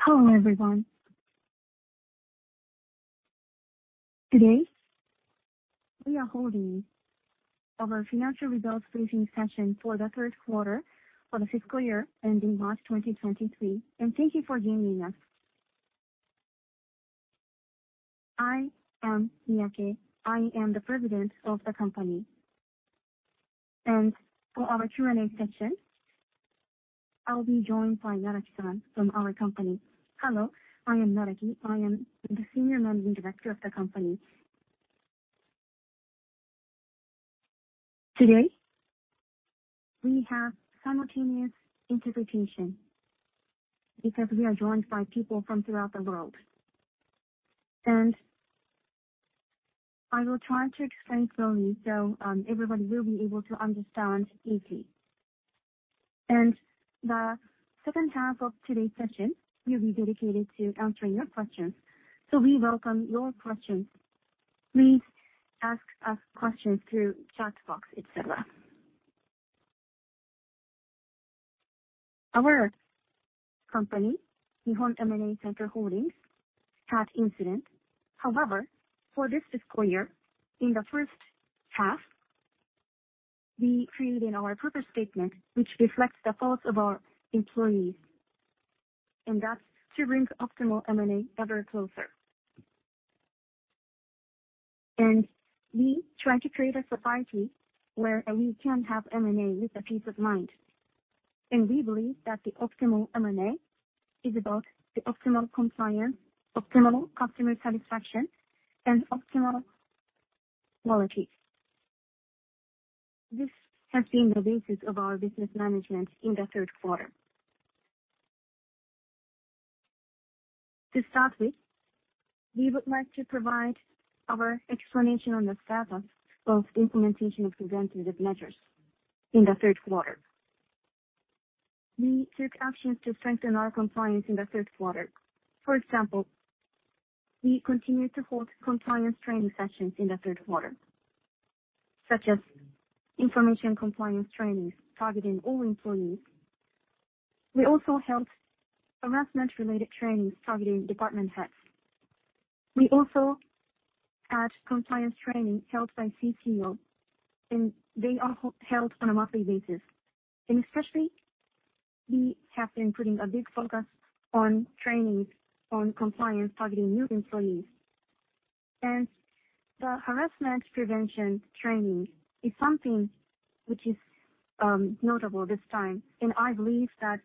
Hello, everyone. Today, we are holding our financial results briefing session for the third quarter for the fiscal year ending March 2023. Thank you for joining us. I am Miyake. I am the president of the company. For our Q&A session, I'll be joined by Naraki-san from our company. Hello, I am Naraki. I am the senior managing director of the company. Today, we have simultaneous interpretation because we are joined by people from throughout the world. I will try to explain slowly everybody will be able to understand easily. The second half of today's session will be dedicated to answering your questions. We welcome your questions. Please ask us questions through chat box, etc. Our company, Nihon M&A Center Holdings, had incidents. However, for this fiscal year, in the first half, we created our purpose statement, which reflects the thoughts of our employees, and that's to bring optimal M&A ever closer. We try to create a society where you can have M&A with a peace of mind. We believe that the optimal M&A is about the optimal compliance, optimal customer satisfaction and optimal quality. This has been the basis of our business management in the third quarter. To start with, we would like to provide our explanation on the status of implementation of preventative measures in the third quarter. We took actions to strengthen our compliance in the third quarter. For example, we continued to hold compliance training sessions in the third quarter, such as information compliance trainings targeting all employees. We also held harassment-related trainings targeting department heads. We also had compliance training held by CCO, they are held on a monthly basis. Especially, we have been putting a big focus on trainings on compliance targeting new employees. The harassment prevention training is something which is notable this time, and I believe that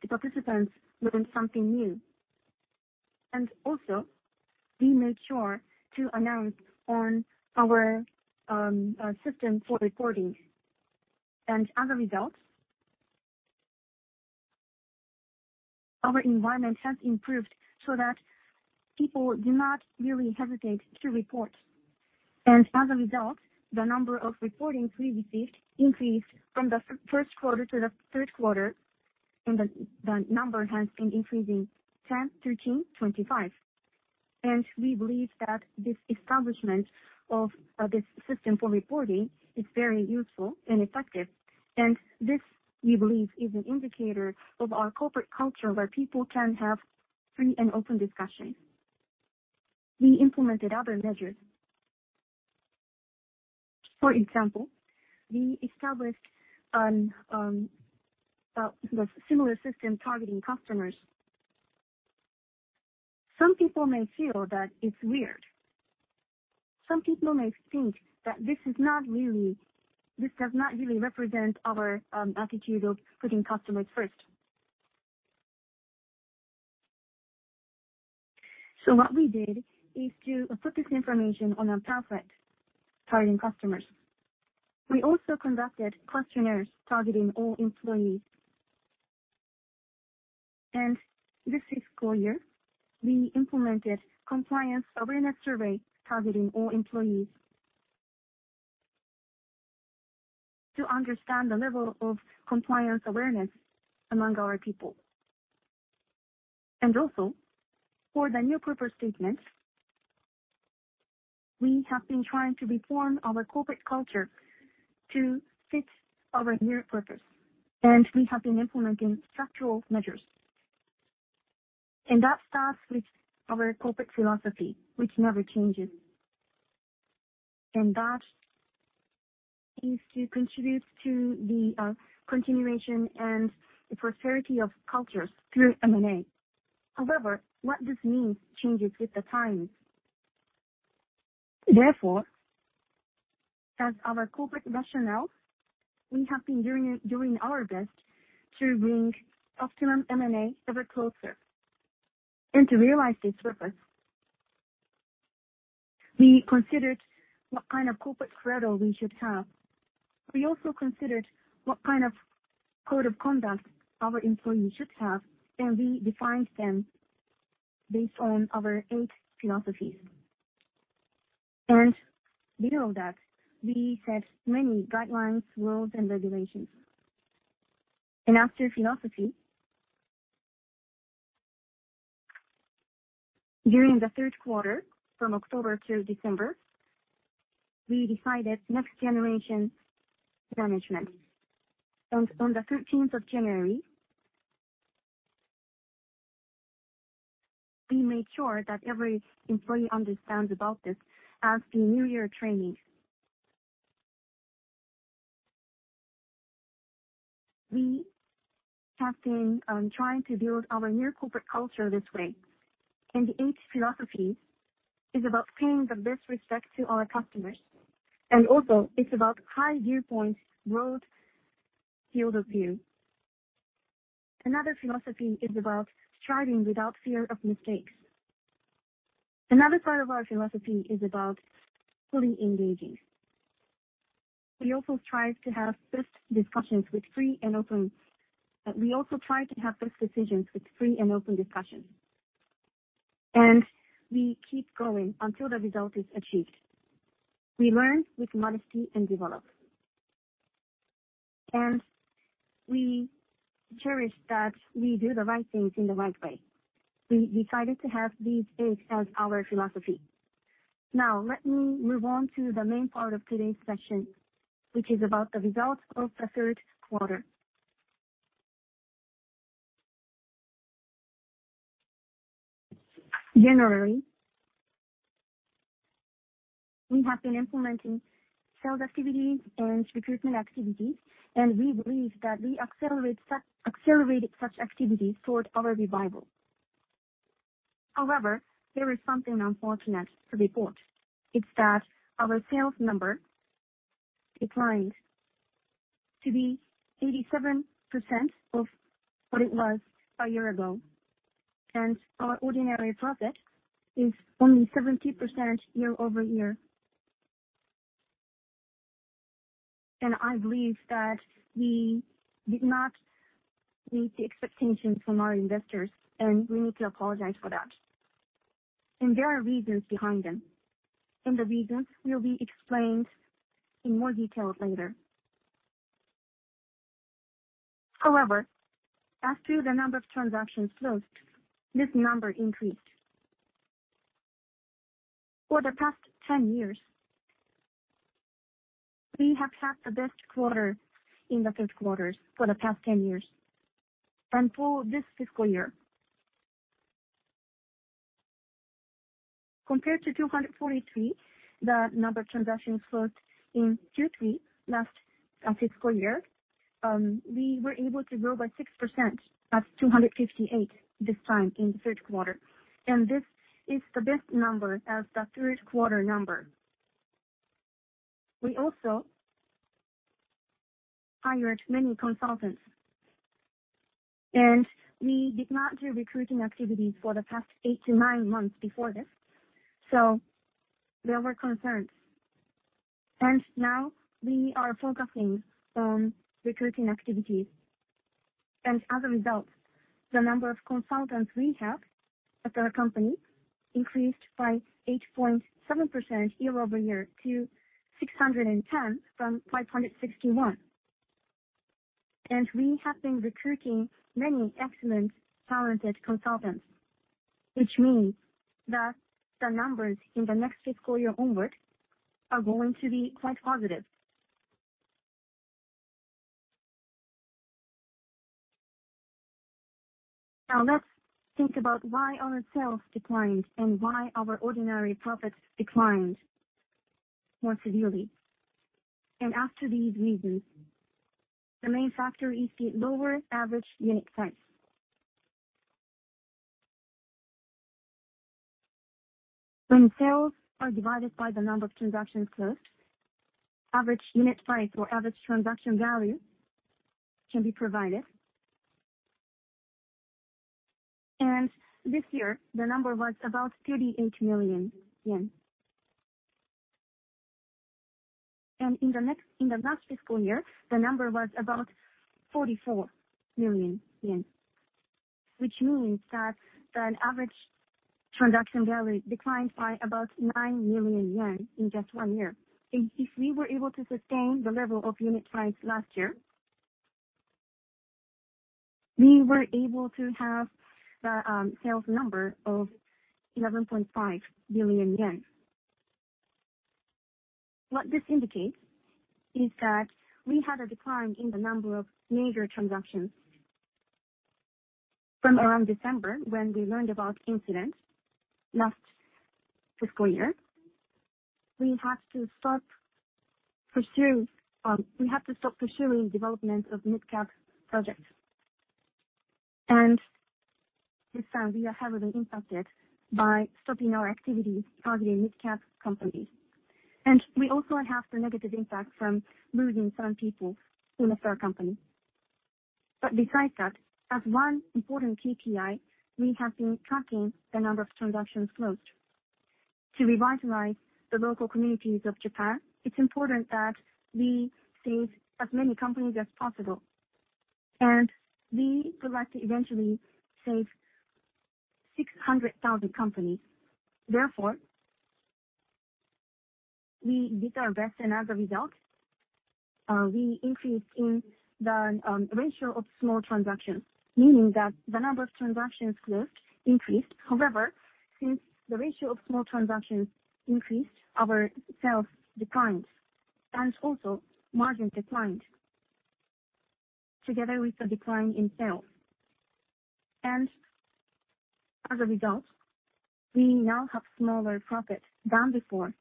the participants learned something new. Also, we made sure to announce on our system for reporting. As a result, our environment has improved so that people do not really hesitate to report. As a result, the number of reporting we received increased from the first quarter to the third quarter, and the number has been increasing 10, 13, 25. We believe that this establishment of this system for reporting is very useful and effective. This, we believe, is an indicator of our corporate culture where people can have free and open discussions. We implemented other measures. For example, we established the similar system targeting customers. Some people may feel that it's weird. Some people may think that this does not really represent our attitude of putting customers first. What we did is to put this information on our pamphlet targeting customers. We also conducted questionnaires targeting all employees. This fiscal year, we implemented compliance awareness survey targeting all employees to understand the level of compliance awareness among our people. Also, for the new purpose statement, we have been trying to reform our corporate culture to fit our new purpose, and we have been implementing structural measures. That starts with our corporate philosophy, which never changes. That is to contribute to the continuation and the prosperity of cultures through M&A. However, what this means changes with the times. Therefore, as our corporate rationale, we have been doing our best to bring optimum M&A ever closer. To realize this purpose, we considered what kind of corporate credo we should have. We also considered what kind of code of conduct our employees should have, and we defined them based on our eight philosophies. Below that, we set many guidelines, rules, and regulations. After philosophy during the third quarter, from October to December, we decided next generation management. On the 13th of January, we made sure that every employee understands about this at the new year training. We have been trying to build our new corporate culture this way, and each philosophy is about paying the best respect to our customers, and also it's about high viewpoint, broad field of view. Another philosophy is about striving without fear of mistakes. Another part of our philosophy is about fully engaging. We also try to have best decisions with free and open discussion. We keep going until the result is achieved. We learn with modesty and develop. We cherish that we do the right things in the right way. We decided to have these eight as our philosophy. Now let me move on to the main part of today's session, which is about the results of the third quarter. Generally, we have been implementing sales activities and recruitment activities. We believe that we accelerated such activities towards our revival. However, there is something unfortunate to report. It's that our sales number declined to be 87% of what it was a year ago. Our ordinary profit is only 70% year-over-year. I believe that we did not meet the expectations from our investors, and we need to apologize for that. There are reasons behind them, and the reasons will be explained in more detail later. However, as to the number of transactions closed, this number increased. For the past 10 years, we have had the best quarter in the third quarters for the past 10 years and for this fiscal year. Compared to 243, the number of transactions closed in Q3 last fiscal year, we were able to grow by 6% at 258 this time in the third quarter. This is the best number as the third quarter number. We also hired many consultants, and we did not do recruiting activities for the past eight to nine months before this, so there were concerns. Now we are focusing on recruiting activities. As a result, the number of consultants we have at our company increased by 8.7% year-over-year to 610 from 561. We have been recruiting many excellent talented consultants, which means that the numbers in the next fiscal year onward are going to be quite positive. Now, let's think about why our sales declined and why our ordinary profits declined more severely. As to these reasons, the main factor is the lower average unit price. When sales are divided by the number of transactions closed, average unit price or average transaction value can be provided. This year the number was about 38 million yen. In the last fiscal year, the number was about 44 million yen, which means that an average transaction value declined by about 9 million yen in just one year. If we were able to sustain the level of unit price last year, we were able to have the sales number of 11.5 billion yen. What this indicates is that we had a decline in the number of major transactions from around December when we learned about incident last fiscal year. We had to stop pursuing development of mid-cap projects. This time we are heavily impacted by stopping our activities targeting mid-cap companies. We also had the negative impact from losing some people in the third company. Besides that, as one important KPI, we have been tracking the number of transactions closed. To revitalize the local communities of Japan, it's important that we save as many companies as possible, and we would like to eventually save 600,000 companies. We did our best, and as a result, we increased in the ratio of small transactions, meaning that the number of transactions closed increased. However, since the ratio of small transactions increased, our sales declined, and also margin declined together with the decline in sales. As a result, we now have smaller profit than before.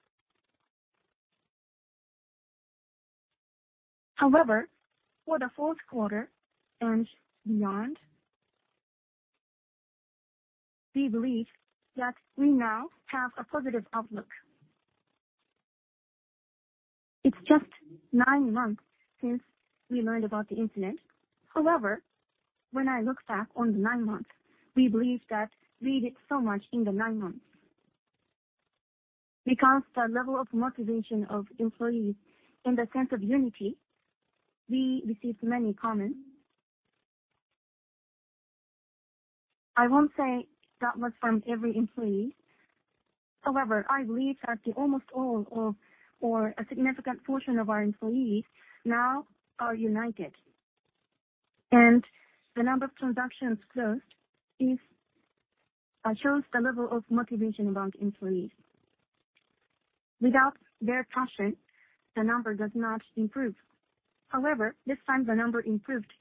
However, for the fourth quarter and beyond, we believe that we now have a positive outlook. It's just nine months since we learned about the incident. However, when I look back on the nine months, we believe that we did so much in the nine months. Because the level of motivation of employees in the sense of unity, we received many comments. I won't say that was from every employee. I believe that the almost all of or a significant portion of our employees now are united, and the number of transactions closed shows the level of motivation among employees. Without their passion, the number does not improve. This time the number improved,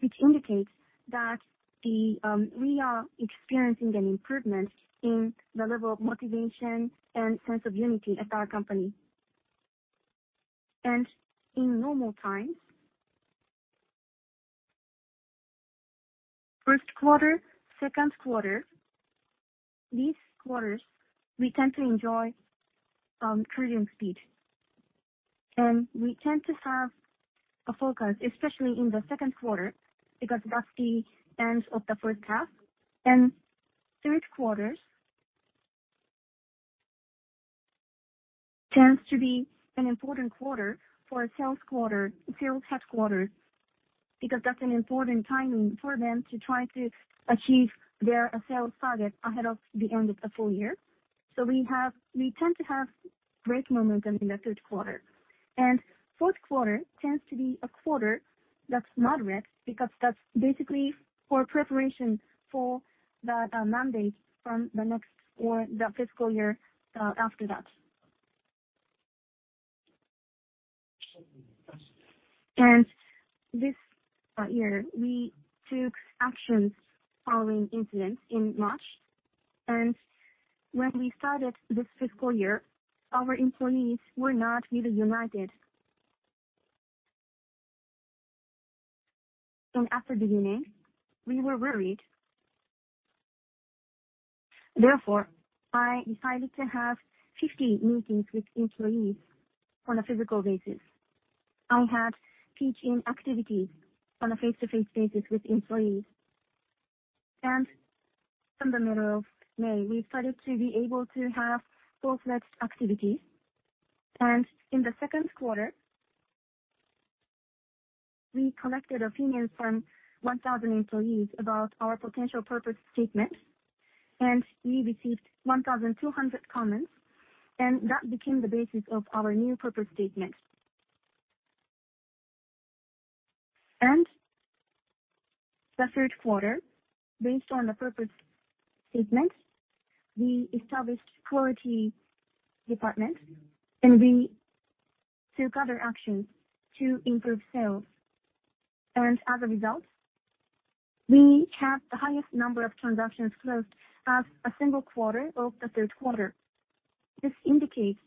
which indicates that we are experiencing an improvement in the level of motivation and sense of unity at our company. In normal times, first quarter, second quarter, these quarters, we tend to enjoy trading speed. We tend to have a focus, especially in the second quarter, because that's the end of the first half. Third quarters tends to be an important quarter for sales quarter, sales headquarters, because that's an important timing for them to try to achieve their sales target ahead of the end of the full year. We tend to have great momentum in the third quarter. Fourth quarter tends to be a quarter that's not red because that's basically for preparation for the mandate from the next or the fiscal year after that. This year we took actions following incidents in March. When we started this fiscal year, our employees were not really united. At the beginning, we were worried. Therefore, I decided to have 50 meetings with employees on a physical basis. I had teaching activities on a face-to-face basis with employees. From the middle of May, we started to be able to have full-fledged activities. In the second quarter, we collected opinions from 1,000 employees about our potential purpose statement, and we received 1,200 comments, and that became the basis of our new purpose statement. The third quarter, based on the purpose statement, we established quality department, and we took other actions to improve sales. As a result, we have the highest number of transactions closed as a single quarter of the third quarter. This indicates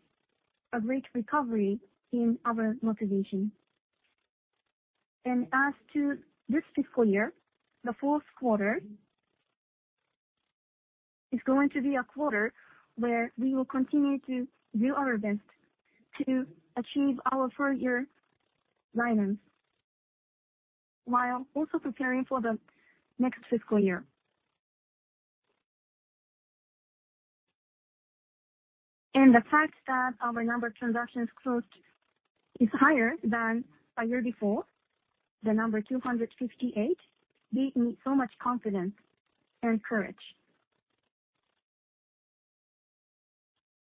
a great recovery in our motivation. As to this fiscal year, the fourth quarter is going to be a quarter where we will continue to do our best to achieve our full year guidance, while also preparing for the next fiscal year. The fact that our number of transactions closed is higher than a year before, the number 258, gave me so much confidence and courage.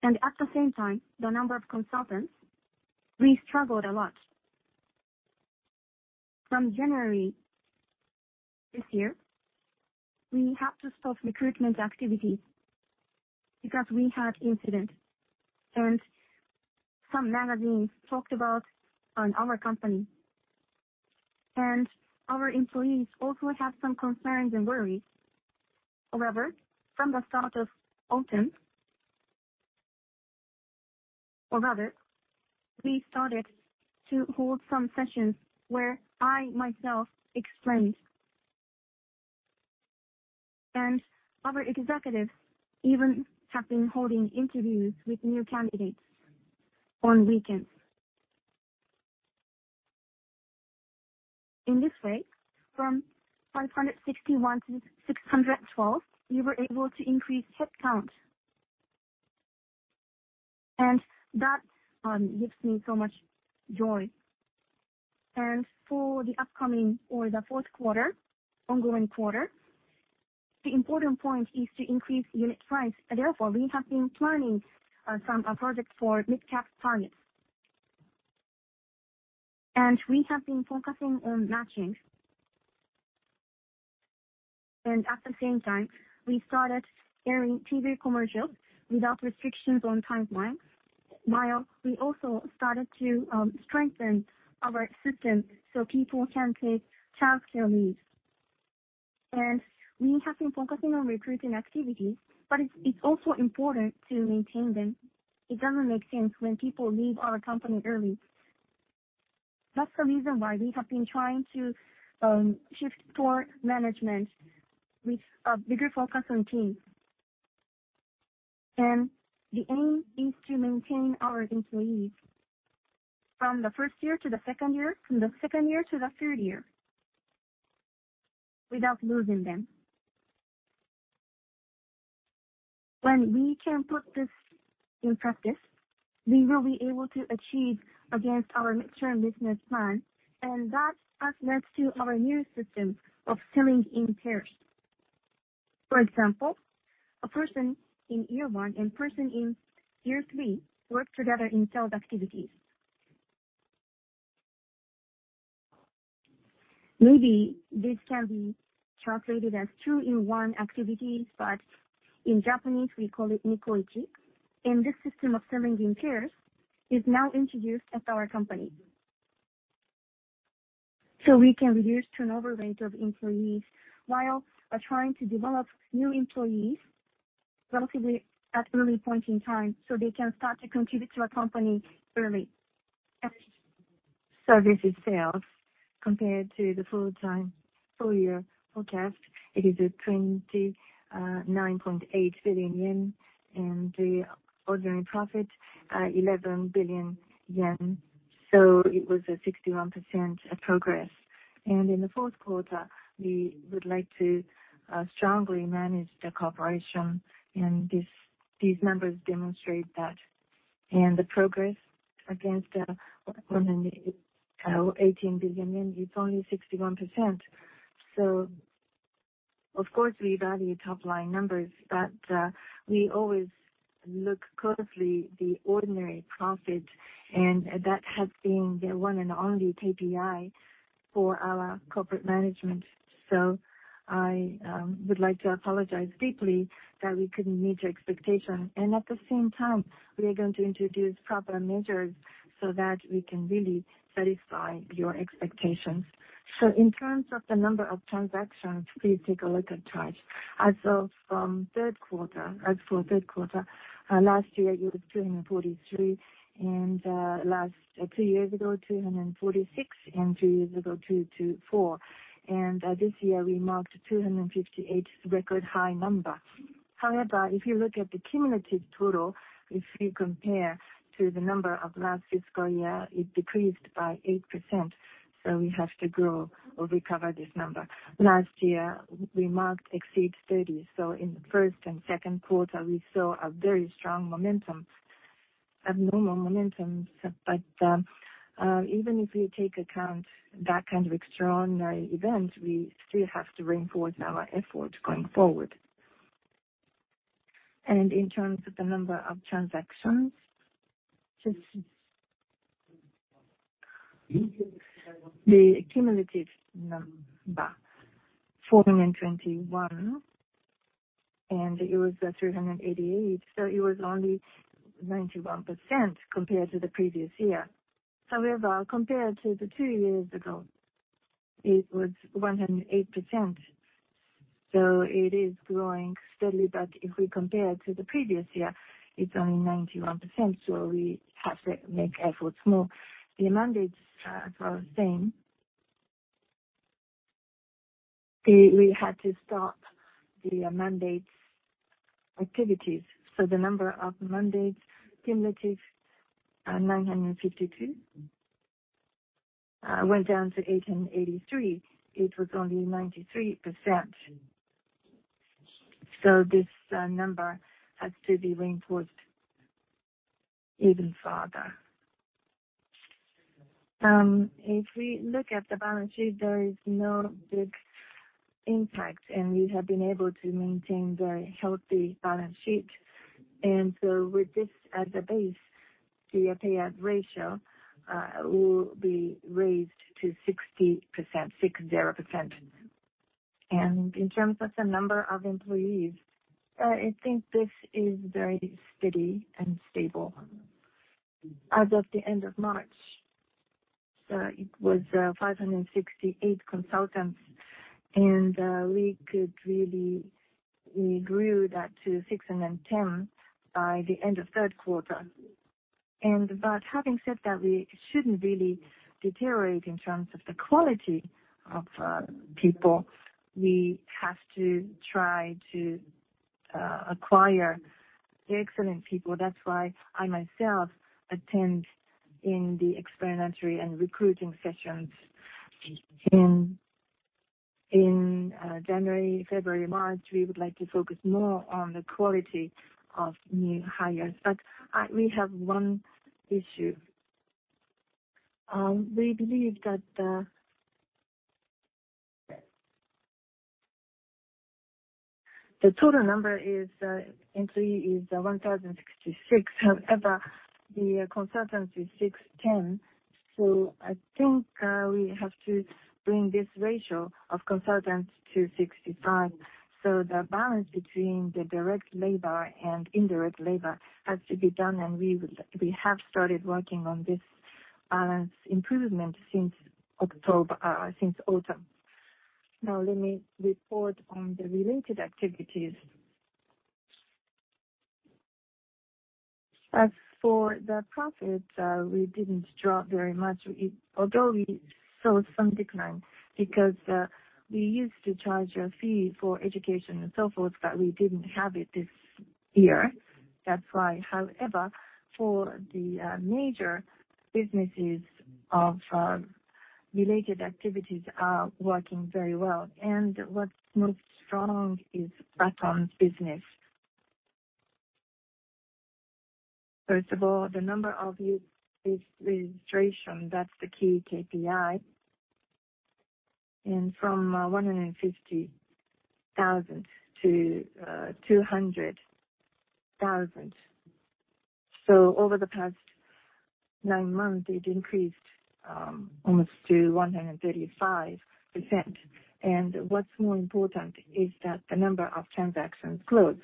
At the same time, the number of consultants, we struggled a lot. From January this year, we have to stop recruitment activities because we had incident and some magazines talked about our company. Our employees also have some concerns and worries. However, from the start of autumn, or rather, we started to hold some sessions where I myself explained. Other executives even have been holding interviews with new candidates on weekends. In this way, from 161-612, we were able to increase head count. That gives me so much joy. For the upcoming or the fourth quarter, ongoing quarter, the important point is to increase unit price. Therefore, we have been planning some projects for mid-cap targets. We have been focusing on matching. At the same time, we started airing TV commercials without restrictions on timelines, while we also started to strengthen our system so people can take childcare leave. We have been focusing on recruiting activities, but it's also important to maintain them. It doesn't make sense when people leave our company early. That's the reason why we have been trying to shift toward management with a bigger focus on teams. The aim is to maintain our employees from the first year to the second year, from the second year to the third year, without losing them. When we can put this in practice, we will be able to achieve against our midterm business plan, and that us leads to our new system of selling in pairs. For example, a person in year one and person in year three work together in sales activities. Maybe this can be translated as two in one activities, but in Japanese we call it. This system of selling in pairs is now introduced at our company. We can reduce turnover rate of employees while trying to develop new employees relatively at early point in time, so they can start to contribute to our company early. Services sales compared to the full-time, full-year forecast. It is at 29.8 billion yen, and the ordinary profit, 11 billion yen. It was a 61% progress. In the fourth quarter, we would like to strongly manage the corporation and these numbers demonstrate that. The progress against 18 billion JPY, it's only 61%. Of course, we value top line numbers, but we always look closely the ordinary profit, and that has been the one and only KPI for our corporate management. I would like to apologize deeply that we couldn't meet your expectation. At the same time we are going to introduce proper measures so that we can really satisfy your expectations. In terms of the number of transactions, please take a look at charts. As for third quarter, last year it was 243, last two years ago, 246, and two years ago, 224. This year we marked 258, record high number. However, if you look at the cumulative total, if you compare to the number of last fiscal year, it decreased by 8%, so we have to grow or recover this number. Last year, we marked exceed 30s. In the first and second quarter, we saw a very strong momentum, abnormal momentum. Even if you take account that kind of extraordinary event, we still have to reinforce our efforts going forward. In terms of the number of transactions, just the cumulative number, 421, it was 388. It was only 91% compared to the previous year. However, compared to the two years ago, it was 108%. It is growing steadily, but if we compare to the previous year, it's only 91%, we have to make efforts more. The mandates, as well as saying, we had to stop the mandates activities, the number of mandates cumulative, 952, went down to 883. It was only 93%. This number has to be reinforced even further. If we look at the balance sheet, there is no big impact, and we have been able to maintain the healthy balance sheet. With this as the base, the payout ratio will be raised to 60%, 60%. In terms of the number of employees, I think this is very steady and stable. As of the end of March, it was 568 consultants, and we grew that to 610 by the end of third quarter. Having said that, we shouldn't really deteriorate in terms of the quality of people. We have to try to acquire excellent people. That's why I myself attend in the explanatory and recruiting sessions. In January, February, March, we would like to focus more on the quality of new hires. We have one issue. We believe that the total number is, employee is 1,066. The consultancy is six to 10. I think we have to bring this ratio of consultants to 65. The balance between the direct labor and indirect labor has to be done, we have started working on this balance improvement since October, since autumn. Let me report on the related activities. As for the profits, we didn't drop very much, although we saw some decline because we used to charge a fee for education and so forth, but we didn't have it this year. That's why. For the major businesses of related activities are working very well, and what's most strong is Batonz business. First of all, the number of us-registration, that's the key KPI, from 150,000-200,000. Over the past nine months, it increased almost to 135%. What's more important is that the number of transactions closed.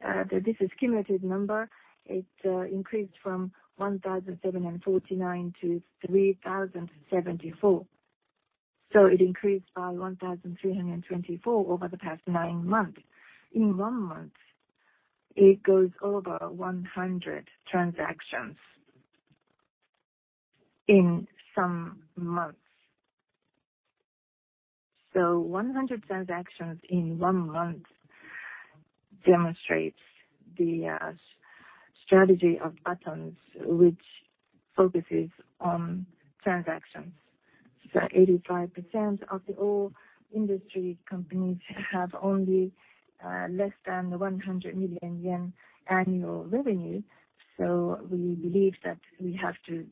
This is cumulative number. It increased from 1,749-3,074. It increased by 1,324 over the past nine months. In one month, it goes over 100 transactions in some months. 100 transactions in one month demonstrates the strategy of Batonz, which focuses on transactions. 85% of the all industry companies have only less than 100 million yen annual revenue, so we believe that we have to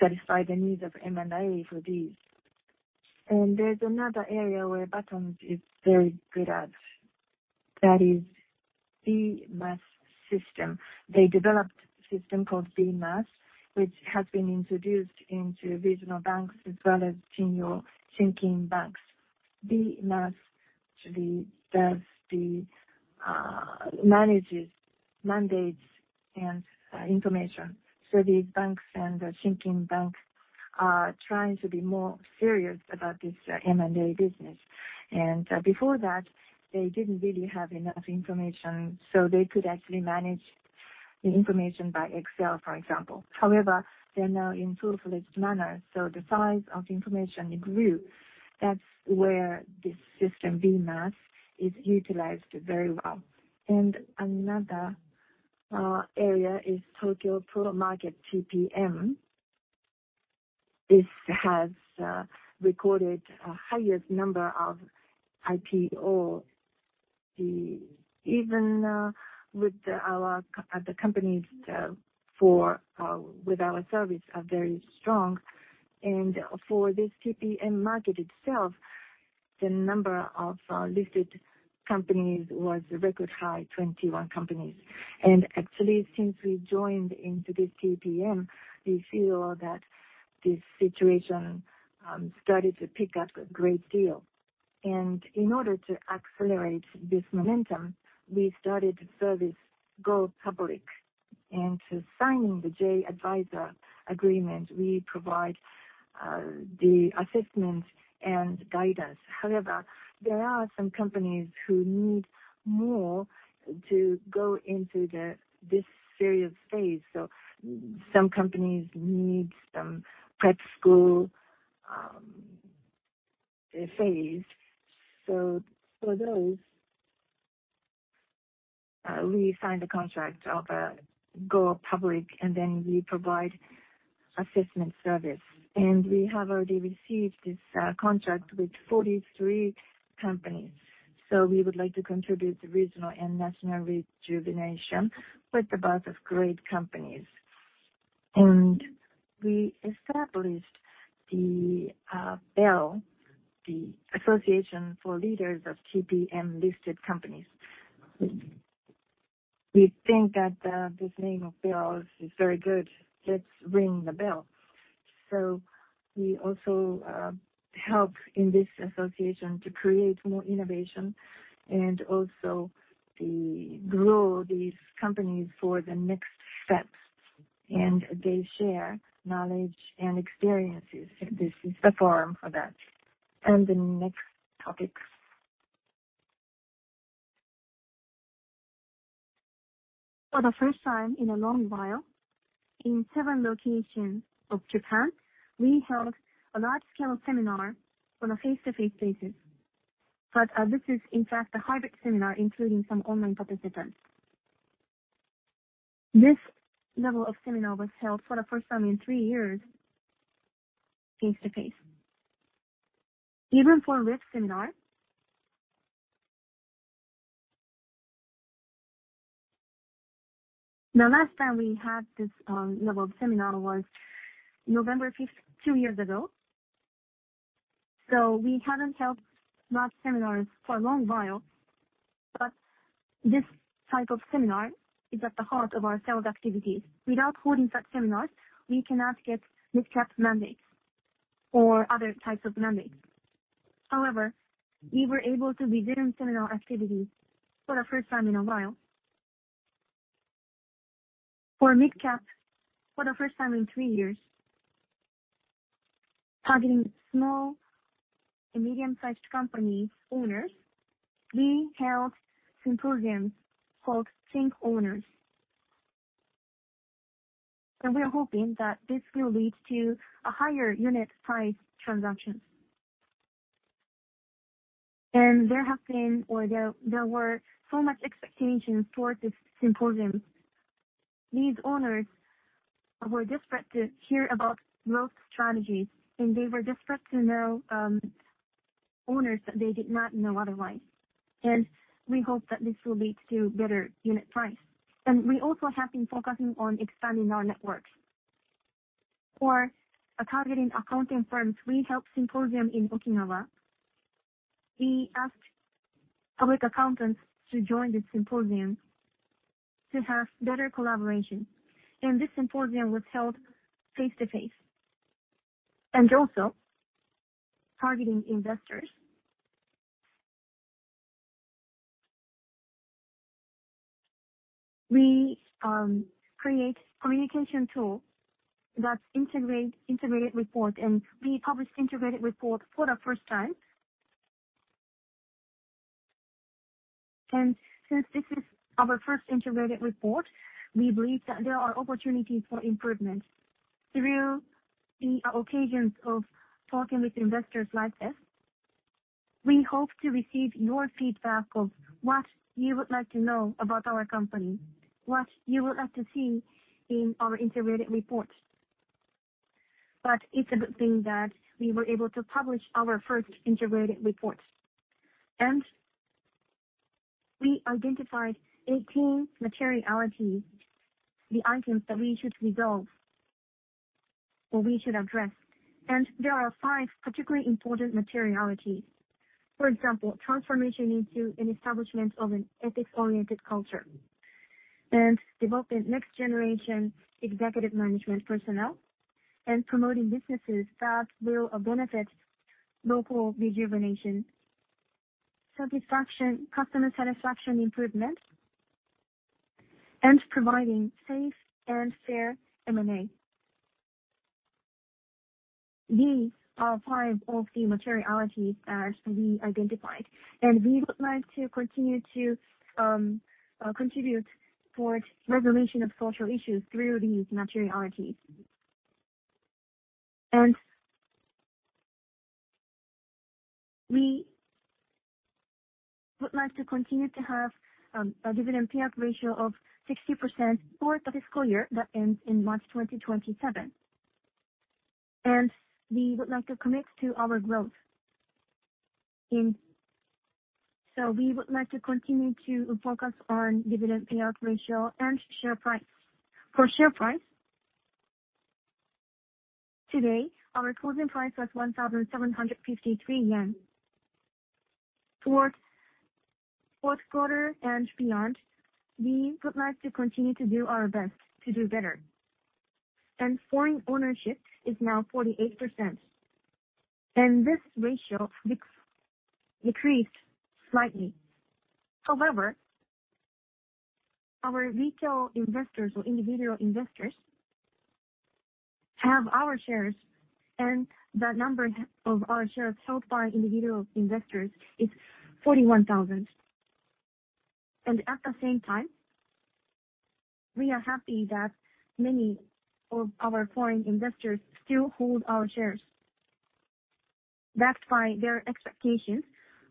satisfy the needs of M&A for these. There's another area where Batonz is very good at, that is BMAS system. They developed a system called BMAS, which has been introduced into regional banks as well as Shinkin banks. BMAS actually does the manages mandates and information. These banks and the Shinkin banks are trying to be more serious about this M&A business. Before that, they didn't really have enough information, so they could actually manage the information by Excel, for example. They're now in full-fledged manner, so the size of information grew. That's where this system, BMAS, is utilized very well. Another area is TOKYO PRO Market, TPM. This has recorded a highest number of IPO. Even with our the companies for with our service are very strong. For this TPM market itself, the number of listed companies was a record high, 21 companies. Actually, since we joined into this TPM, we feel that this situation started to pick up a great deal. In order to accelerate this momentum, we started service Go-Public, and to sign the J-Adviser agreement, we provide the assessment and guidance. However, there are some companies who need more to go into this serious phase. Some companies need some prep school phase. For those, we signed a contract of Go-Public, we provide assessment service. We have already received this contract with 43 companies. We would like to contribute to regional and national rejuvenation with a bunch of great companies. We established the BELL, the Association for Leaders of TPM-listed companies. We think that this name of BELL is very good. Let's ring the bell. We also help in this association to create more innovation and also the grow these companies for the next steps, and they share knowledge and experiences. This is the forum for that. The next topic. For the first time in a long while, in seven locations of Japan, we held a large-scale seminar on a face-to-face basis. This is in fact a hybrid seminar, including some online participants. This level of seminar was held for the first time in three years face-to-face. Even for mid seminar. The last time we had this level of seminar was November fifth, two years ago. We haven't held live seminars for a long while, but this type of seminar is at the heart of our sales activities. Without holding such seminars, we cannot get mid-cap mandates or other types of mandates. However, we were able to revisit seminar activities for the first time in a while. For mid-cap, for the first time in three years, targeting small and medium-sized company owners, we held symposium called Think Owners. We are hoping that this will lead to a higher unit price transaction. There have been or there were so much expectations towards this symposium. These owners were desperate to hear about growth strategies, and they were desperate to know owners that they did not know otherwise. We hope that this will lead to better unit price. We also have been focusing on expanding our networks. For targeting accounting firms, we helped symposium in Okinawa. We asked public accountants to join the symposium to have better collaboration. This symposium was held face-to-face. Also targeting investors, we create communication tool that integrate integrated report. We published integrated report for the first time. Since this is our first integrated report, we believe that there are opportunities for improvement. Through the occasions of talking with investors like this, we hope to receive your feedback of what you would like to know about our company, what you would like to see in our integrated report. It's a good thing that we were able to publish our first integrated report. We identified 18 materiality, the items that we should resolve or we should address. There are five particularly important materiality. For example, transformation into an establishment of an ethics-oriented culture and developing next generation executive management personnel and promoting businesses that will benefit local rejuvenation, satisfaction, customer satisfaction improvement, and providing safe and fair M&A. These are five of the materialities that we identified, and we would like to continue to contribute towards resolution of social issues through these materialities. We would like to continue to have a dividend payout ratio of 60% for the fiscal year that ends in March 2027. We would like to commit to our growth. We would like to continue to focus on dividend payout ratio and share price. For share price, today our closing price was 1,753 yen. For fourth quarter and beyond, we would like to continue to do our best to do better. Foreign ownership is now 48%, and this ratio decreased slightly. However, our retail investors or individual investors have our shares, and the number of our shares held by individual investors is 41,000. At the same time, we are happy that many of our foreign investors still hold our shares. Backed by their expectations,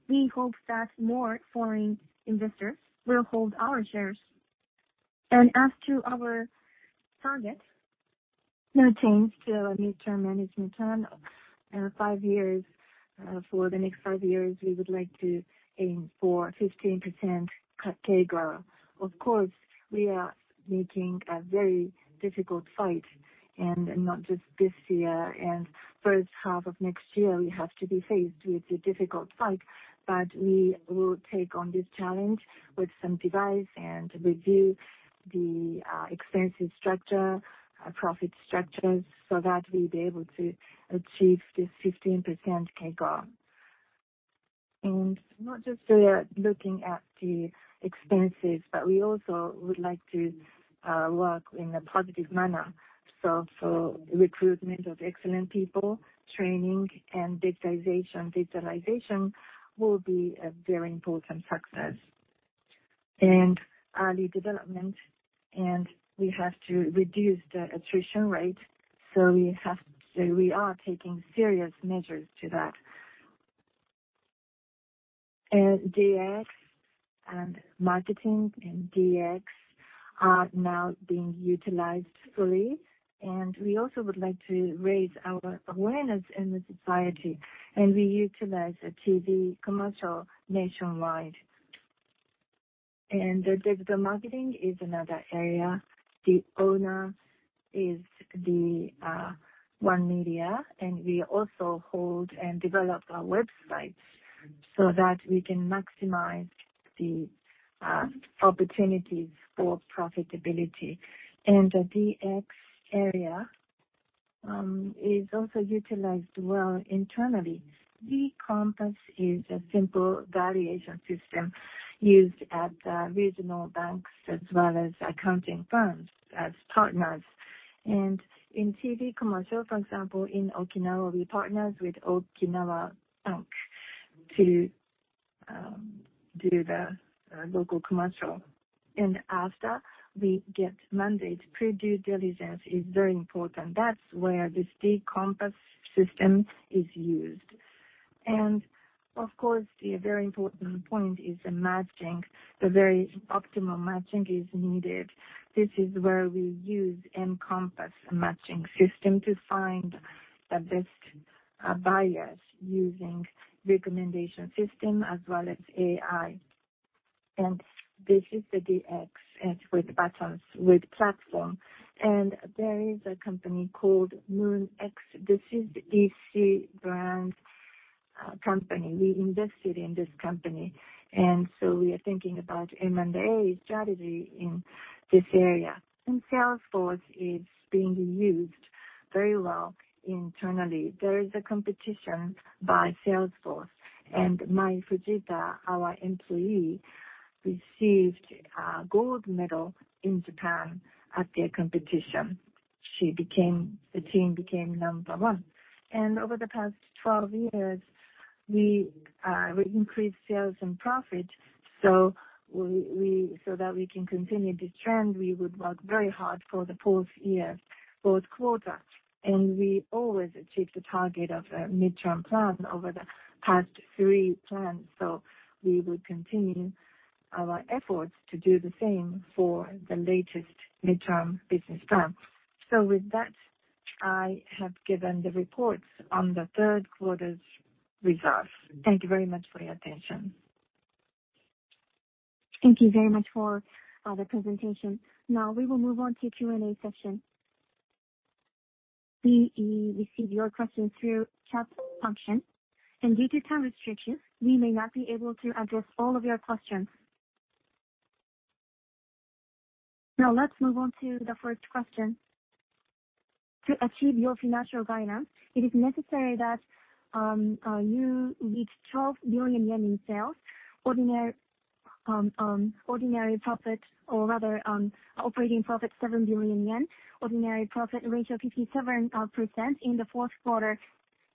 we hope that more foreign investors will hold our shares. As to our target, no change to our midterm management plan. Five years, for the next five years, we would like to aim for 15% CAGR. Of course, we are making a very difficult fight, not just this year and first half of next year, we have to be faced with a difficult fight, but we will take on this challenge with some device and review the expensive structure, profit structures, so that we'll be able to achieve this 15% CAGR. Not just we are looking at the expenses, but we also would like to work in a positive manner. For recruitment of excellent people, training and digitization, digitalization will be a very important success. Early development, we have to reduce the attrition rate, we are taking serious measures to that. DX and marketing and DX are now being utilized fully. We also would like to raise our awareness in the society, and we utilize a TV commercial nationwide. The digital marketing is another area. The owner is the Owned Media, and we also hold and develop our website so that we can maximize the opportunities for profitability. The DX area is also utilized well internally. D-Compass is a simple valuation system used at regional banks as well as accounting firms as partners. In TV commercial, for example, in Okinawa, we partners with Okinawa Bank to do the local commercial. After we get mandate, pre-due diligence is very important. That's where this D-Compass system is used. Of course, the very important point is the matching. The very optimal matching is needed. This is where we use M-Compass matching system to find the best buyers using recommendation system as well as AI. This is the DX with Batonz, with platform. There is a company called Moon-X. This is DC brand company. We invested in this company, and so we are thinking about M&A strategy in this area. Salesforce is being used very well internally. There is a competition by Salesforce and Mai Fujita, our employee, received a gold medal in Japan at their competition. The team became number one. Over the past 12 years, we increased sales and profit, so we, so that we can continue this trend, we would work very hard for the fourth year, fourth quarter, and we always achieved the target of a midterm plan over the past three plans. We would continue our efforts to do the same for the latest midterm business plan. With that, I have given the reports on the third quarter's results. Thank you very much for your attention. Thank you very much for the presentation. We will move on to Q&A session. We receive your questions through chat function, and due to time restrictions, we may not be able to address all of your questions. Let's move on to the first question. To achieve your financial guidance, it is necessary that you reach 12 billion yen in sales. Ordinary profit or rather, operating profit, 7 billion yen, ordinary profit ratio 57% in the fourth quarter,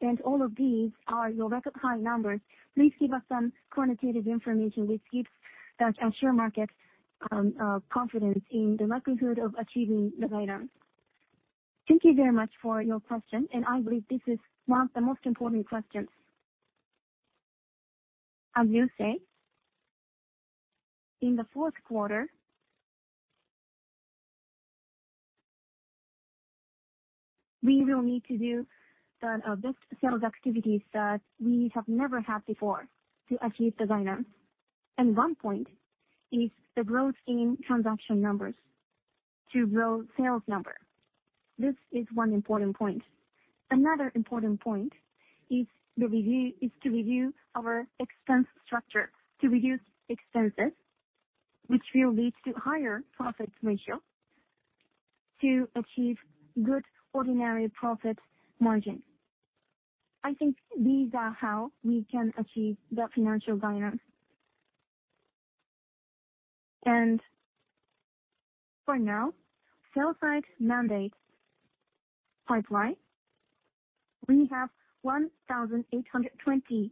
and all of these are your record high numbers. Please give us some quantitative information which gives the share market confidence in the likelihood of achieving the guidance. Thank you very much for your question. I believe this is one of the most important questions. As you say, in the fourth quarter, we will need to do the best sales activities that we have never had before to achieve the guidance. One point is the growth in transaction numbers to grow sales number. This is one important point. Another important point is to review our expense structure to reduce expenses, which will lead to higher profit ratio to achieve good ordinary profit margin. I think these are how we can achieve the financial guidance. For now, sell side mandate pipeline, we have 1,820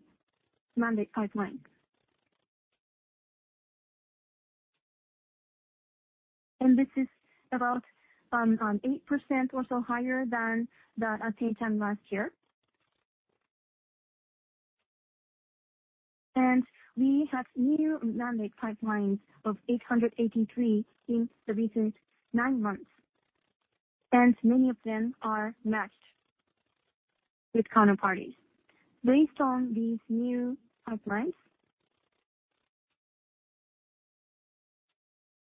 mandate pipeline. This is about 8% or so higher than the same time last year. We have new mandate pipelines of 883 in the recent nine months, and many of them are matched with counterparties. Based on these new pipelines,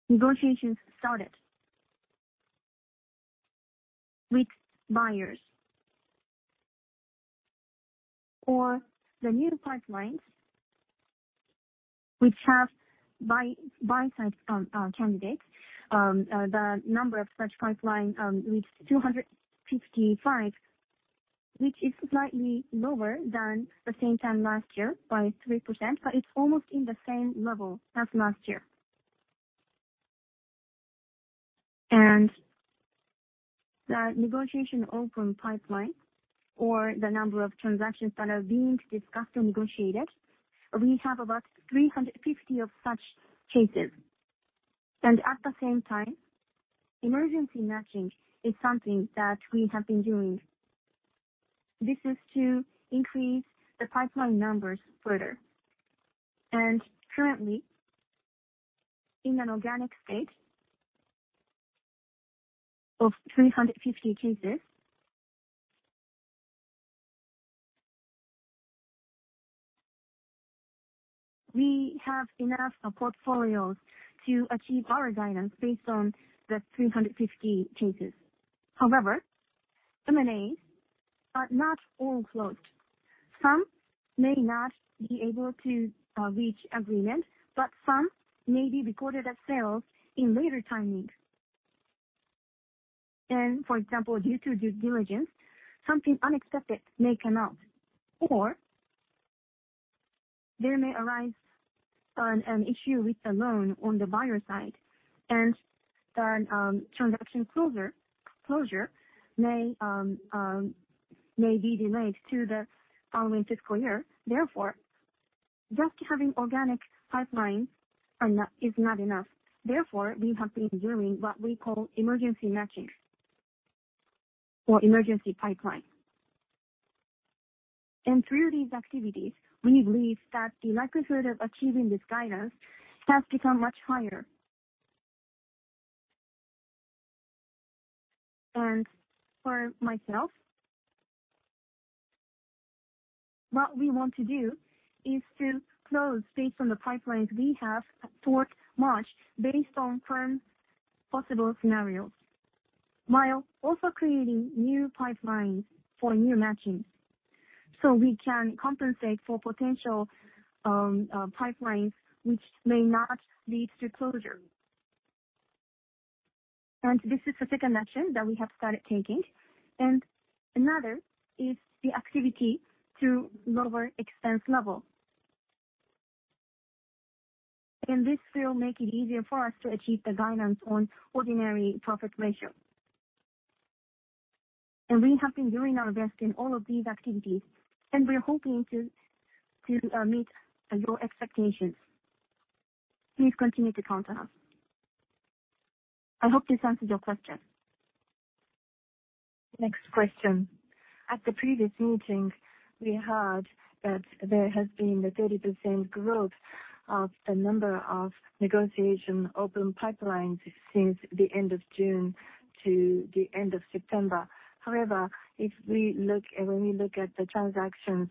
negotiations started with buyers for the new pipelines which have buy side candidates. The number of such pipeline reached 255, which is slightly lower than the same time last year by 3%, but it's almost in the same level as last year. The negotiation open pipeline or the number of transactions that are being discussed or negotiated, we have about 350 of such cases. At the same time, emergency matching is something that we have been doing. This is to increase the pipeline numbers further. Currently, in an organic state of 350 cases, we have enough portfolios to achieve our guidance based on the 350 cases. However, M&As are not all closed. Some may not be able to reach agreement, but some may be recorded as sales in later timing. For example, due to due diligence, something unexpected may come out, or there may arise an issue with the loan on the buyer side. The transaction closure may be delayed to the following fiscal year. Therefore, just having organic pipeline are not, is not enough. Therefore, we have been doing what we call emergency matching or emergency pipeline. Through these activities, we believe that the likelihood of achieving this guidance has become much higher. For myself, what we want to do is to close based on the pipelines we have towards March, based on current possible scenarios, while also creating new pipelines for new matching. So we can compensate for potential pipelines which may not lead to closure. This is the second action that we have started taking. Another is the activity to lower expense level. This will make it easier for us to achieve the guidance on ordinary profit ratio. We have been doing our best in all of these activities, and we are hoping to meet your expectations. Please continue to count on us. I hope this answers your question. Next question. At the previous meeting, we heard that there has been a 30% growth of the number of negotiation open pipelines since the end of June to the end of September. When we look at the transactions,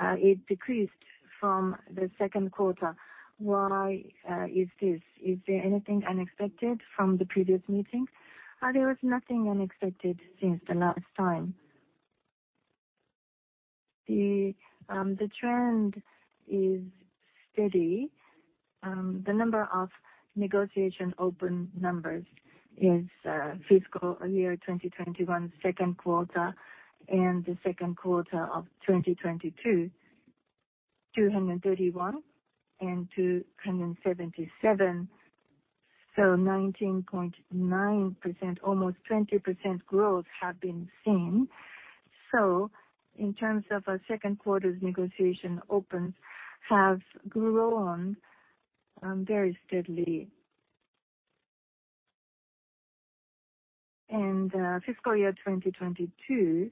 it decreased from the second quarter. Why is this? Is there anything unexpected from the previous meeting? There was nothing unexpected since the last time. The trend is steady. The number of negotiation open numbers is fiscal year 2021, second quarter, and the second quarter of 2022, 231 and 277. 19.9%, almost 20% growth have been seen. In terms of second quarter's negotiation opens have grown very steadily. Fiscal year 2022,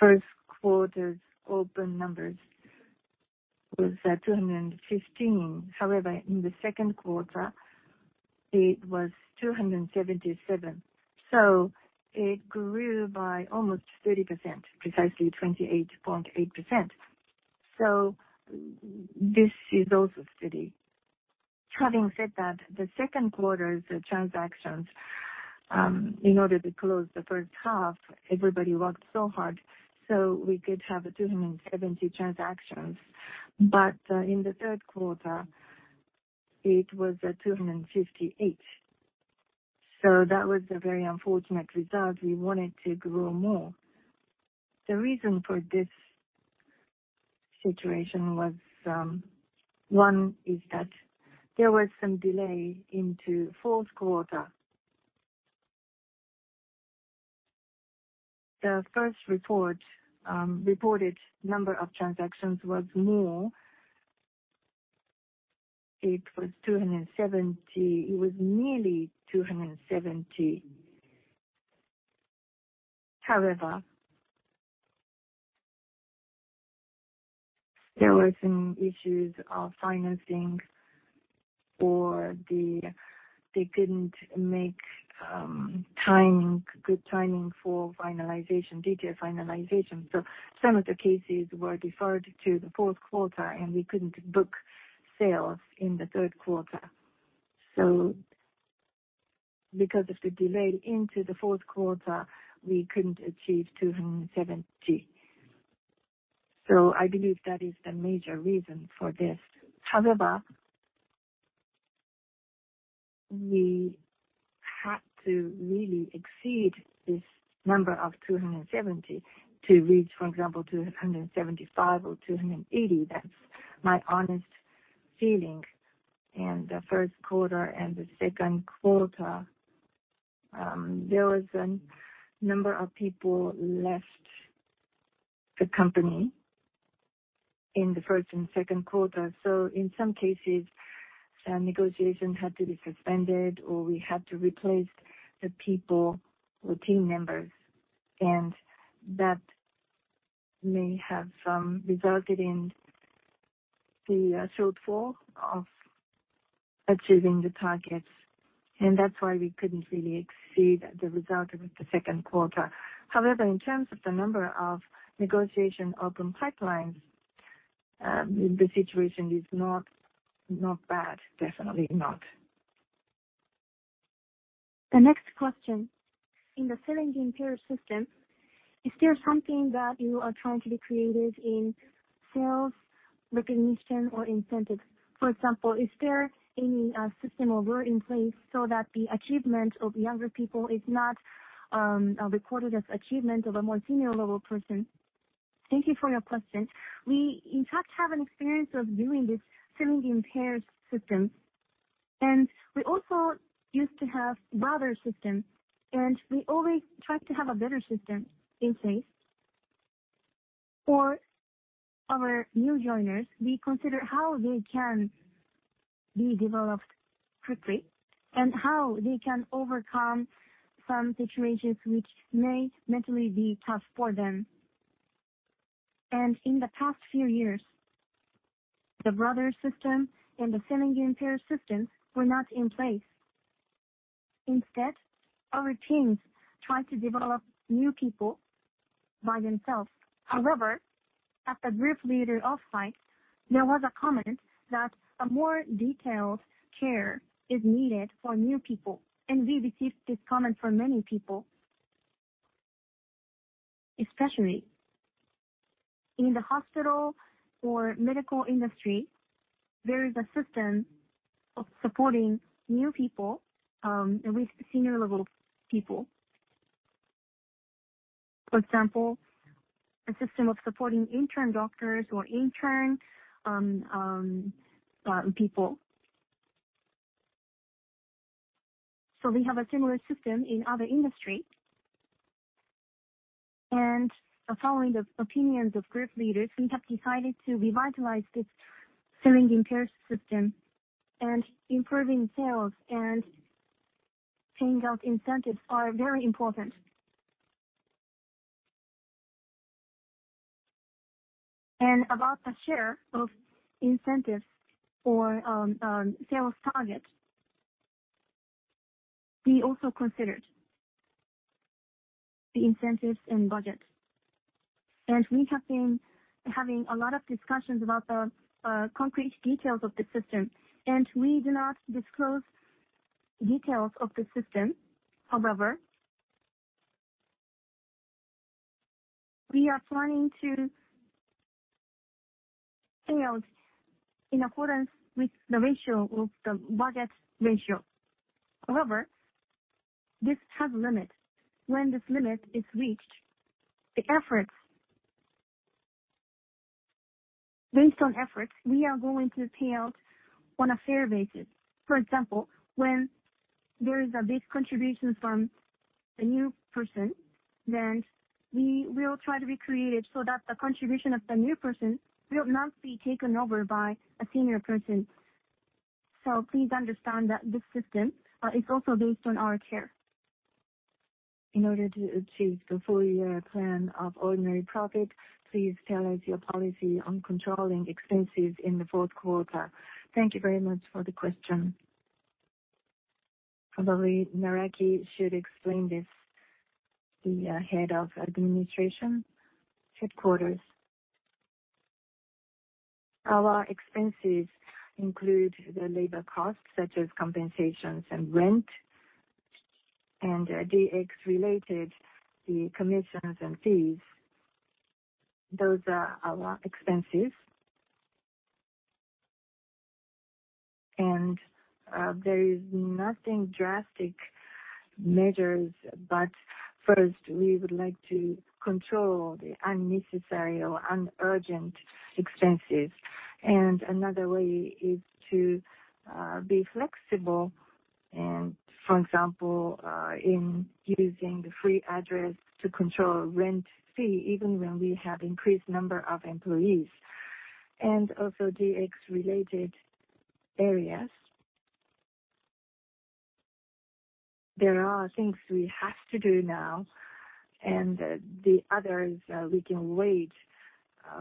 first quarter's open numbers was 215. In the second quarter it was 277. It grew by almost 30%, precisely 28.8%. This is also steady. Having said that, the second quarter's transactions, in order to close the first half, everybody worked so hard, so we could have 270 transactions. In the third quarter, it was 258. That was a very unfortunate result. We wanted to grow more. The reason for this situation was, one is that there was some delay into fourth quarter. The first report, reported number of transactions was more. It was 270. It was nearly 270. There were some issues of financing or they couldn't make timing, good timing for finalization, detail finalization. Some of the cases were deferred to the fourth quarter, and we couldn't book sales in the third quarter. Because of the delay into the fourth quarter, we couldn't achieve 270. I believe that is the major reason for this. However, we had to really exceed this number of 270 to reach, for example, 275 or 280. That's my honest feeling. In the first quarter and the second quarter, there was a number of people left the company in the first and second quarter. In some cases, negotiation had to be suspended or we had to replace the people or team members. That may have some resulted in the shortfall of achieving the targets, and that's why we couldn't really exceed the result of the second quarter. However, in terms of the number of negotiation open pipelines, the situation is not bad, definitely not. The next question. In the selling in pairs system, is there something that you are trying to be creative in sales recognition or incentives? For example, is there any system or role in place so that the achievement of younger people is not recorded as achievement of a more senior level person? Thank you for your question. We in fact have an experience of doing this selling in pairs system, and we also used to have Brother-Sister system, and we always try to have a better system in place. For our new joiners, we consider how they can be developed quickly and how they can overcome some situations which may mentally be tough for them. In the past few years, the Brother-Sister system and the selling in pairs system were not in place. Instead, our teams tried to develop new people by themselves. At the group leader off-site, there was a comment that a more detailed care is needed for new people, and we received this comment from many people. Especially in the hospital or medical industry, there is a system of supporting new people, at least senior level people. For example, a system of supporting intern doctors or intern people. We have a similar system in other industry. Following the opinions of group leaders, we have decided to revitalize this selling in pairs system and improving sales and paying out incentives are very important. About the share of incentives for sales target. We also considered the incentives and budget. We have been having a lot of discussions about the concrete details of the system, and we do not disclose details of the system. We are planning to pay out in accordance with the ratio of the budget ratio. This has a limit. When this limit is reached, based on efforts, we are going to pay out on a fair basis. When there is a big contribution from a new person, then we will try to be creative so that the contribution of the new person will not be taken over by a senior person. Please understand that this system is also based on our care. In order to achieve the full year plan of ordinary profit, please tell us your policy on controlling expenses in the fourth quarter. Thank you very much for the question. Probably Naraki should explain this, the head of administration headquarters. Our expenses include the labor costs, such as compensations and rent, and DX related, the commissions and fees. Those are our expenses. There is nothing drastic measures, but first, we would like to control the unnecessary or un-urgent expenses. Another way is to be flexible, and for example, in using the free address to control rent fee, even when we have increased number of employees. Also DX related areas. There are things we have to do now, and the others, we can wait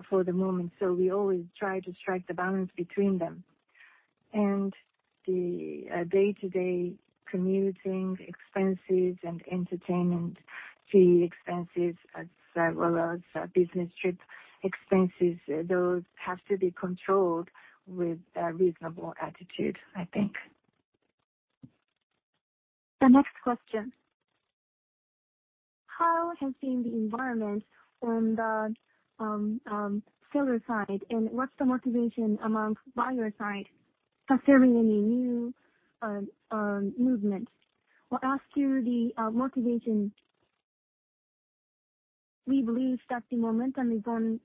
for the moment. We always try to strike the balance between them. The day-to-day commuting expenses and entertainment fee expenses, as well as business trip expenses, those have to be controlled with a reasonable attitude, I think. The next question. How has been the environment on the seller side, and what's the motivation among buyer side concerning any new movement? We'll ask you the motivation. We believe that the momentum is on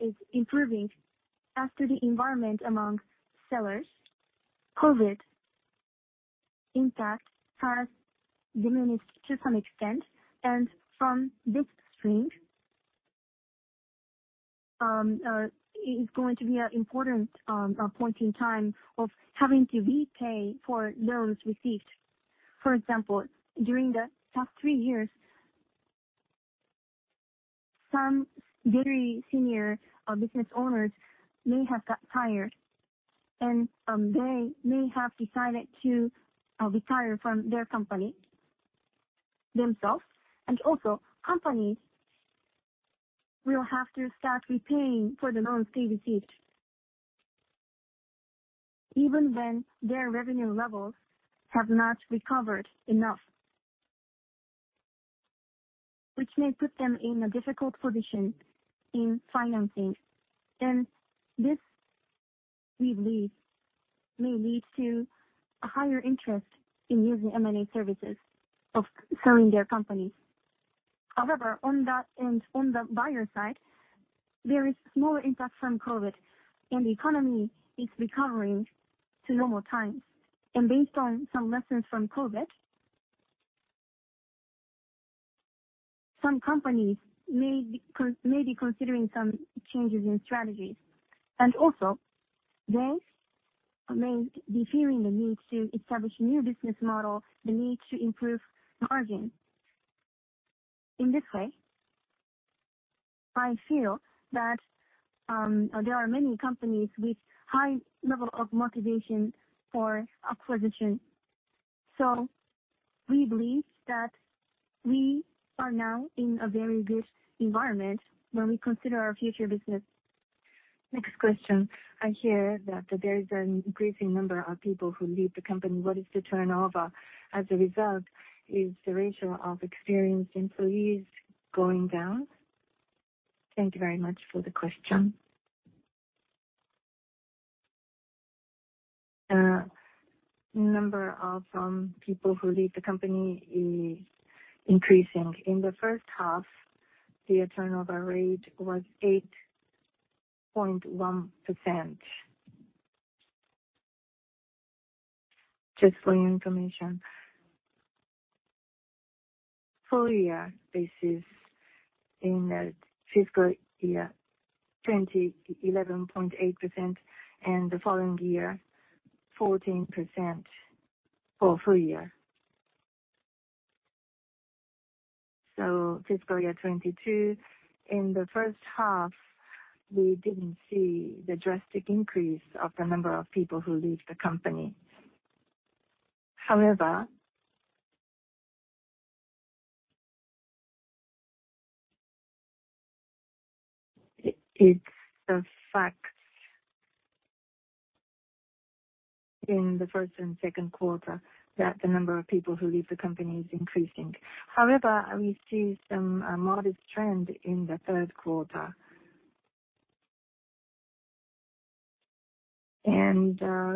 is improving. After the environment among sellers, COVID. Impact has diminished to some extent. From this spring, it's going to be an important point in time of having to repay for loans received. For example, during the past three years, some very senior business owners may have got tired and they may have decided to retire from their company themselves. Also companies will have to start repaying for the loans they received, even when their revenue levels have not recovered enough, which may put them in a difficult position in financing. This, we believe, may lead to a higher interest in using M&A services of selling their company. However, on that end, on the buyer side, there is smaller impact from COVID, and the economy is recovering to normal times. Based on some lessons from COVID, some companies may be considering some changes in strategies. Also they may be feeling the need to establish new business model, the need to improve margin. In this way, I feel that there are many companies with high level of motivation for acquisition. We believe that we are now in a very good environment when we consider our future business. Next question. I hear that there is an increasing number of people who leave the company. What is the turnover as a result? Is the ratio of experienced employees going down? Thank you very much for the question. Number of people who leave the company is increasing. In the first half, the turnover rate was 8.1%. Just for your information, full year basis in fiscal year 20, 11.8%, and the following year, 14% for full year. Fiscal year 22, in the first half, we didn't see the drastic increase of the number of people who leave the company. However, it's a fact in the first and second quarter that the number of people who leave the company is increasing. However, we see some modest trend in the third quarter.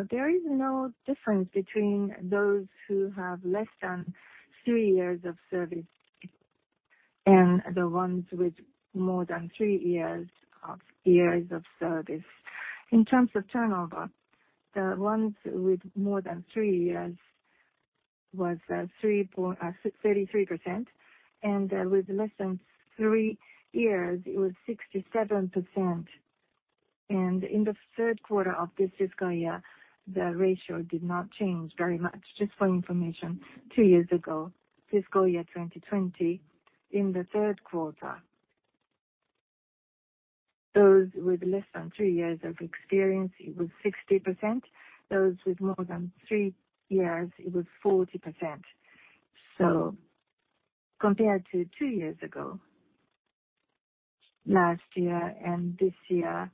There is no difference between those who have less than three years of service and the ones with more than three years of service. In terms of turnover, the ones with more than three years was 33%, and with less than three years it was 67%. In the third quarter of this fiscal year, the ratio did not change very much. Just for your information, two years ago, fiscal year 2020, in the third quarter, those with less than three years of experience, it was 60%. Those with more than three years, it was 40%. Compared to two years ago, last year and this year,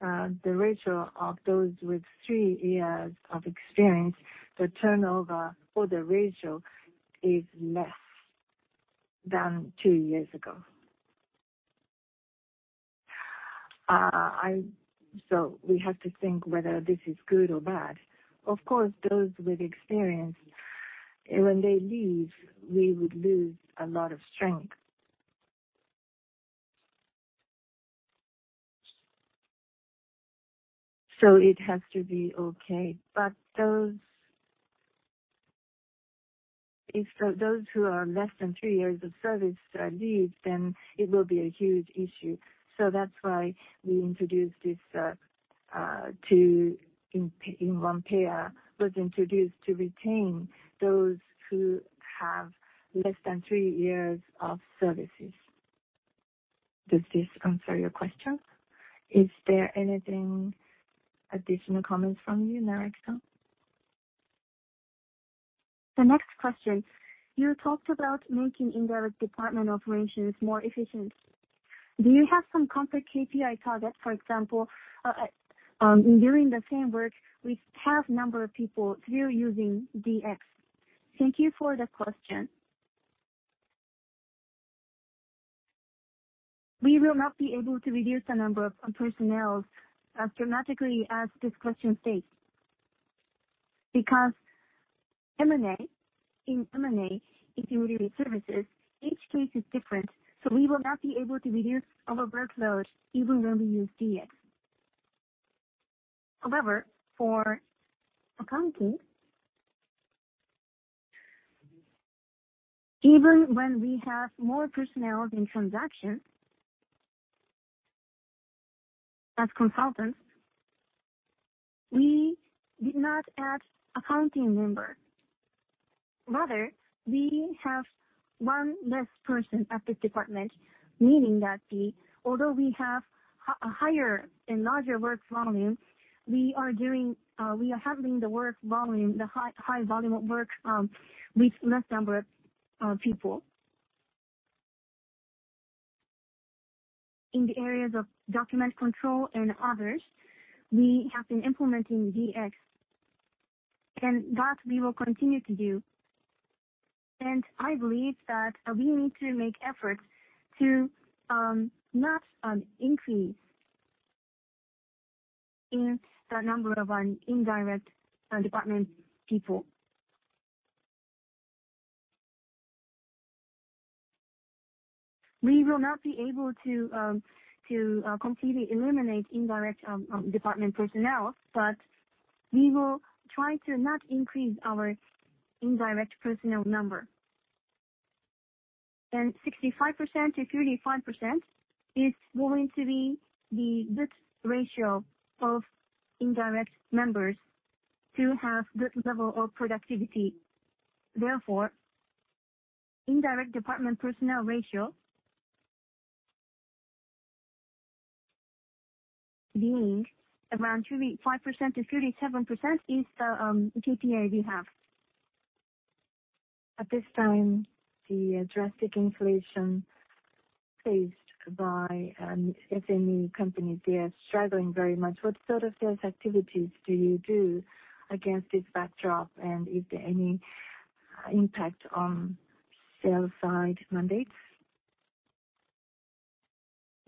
the ratio of those with three years of experience, the turnover for the ratio is less than two years ago. We have to think whether this is good or bad. Of course, those with experience, when they leave, we would lose a lot of strength. It has to be okay. If those who are less than three years of service leave, then it will be a huge issue. That's why we introduced this. impanpa was introduced to retain those who have less than three years of services. Does this answer your question? Is there anything, additional comments from you, Naraki? The next question. You talked about making indirect department operations more efficient. Do you have some concrete KPI target, for example, during the same work with half number of people through using DX? Thank you for the question. We will not be able to reduce the number of personnel dramatically as this question states. M&A. In M&A, if you read services, each case is different, we will not be able to reduce our workload even when we use DX. However, for accounting, even when we have more personnel in transaction as consultants, we did not add accounting member. Rather, we have one less person at this department, meaning that. Although we have a higher and larger work volume, we are doing, we are handling the work volume, the high volume of work, with less number of people. In the areas of document control and others, we have been implementing DX, that we will continue to do. I believe that we need to make efforts to not increase in the number of our indirect department people. We will not be able to completely eliminate indirect department personnel, but we will try to not increase our indirect personnel number. 65%-35% is going to be the good ratio of indirect members to have good level of productivity. Therefore, indirect department personnel ratio being around 25%-37% is the KPI we have. At this time, the drastic inflation faced by SME companies, they are struggling very much. What sort of sales activities do you do against this backdrop? Is there any impact on sales side mandates?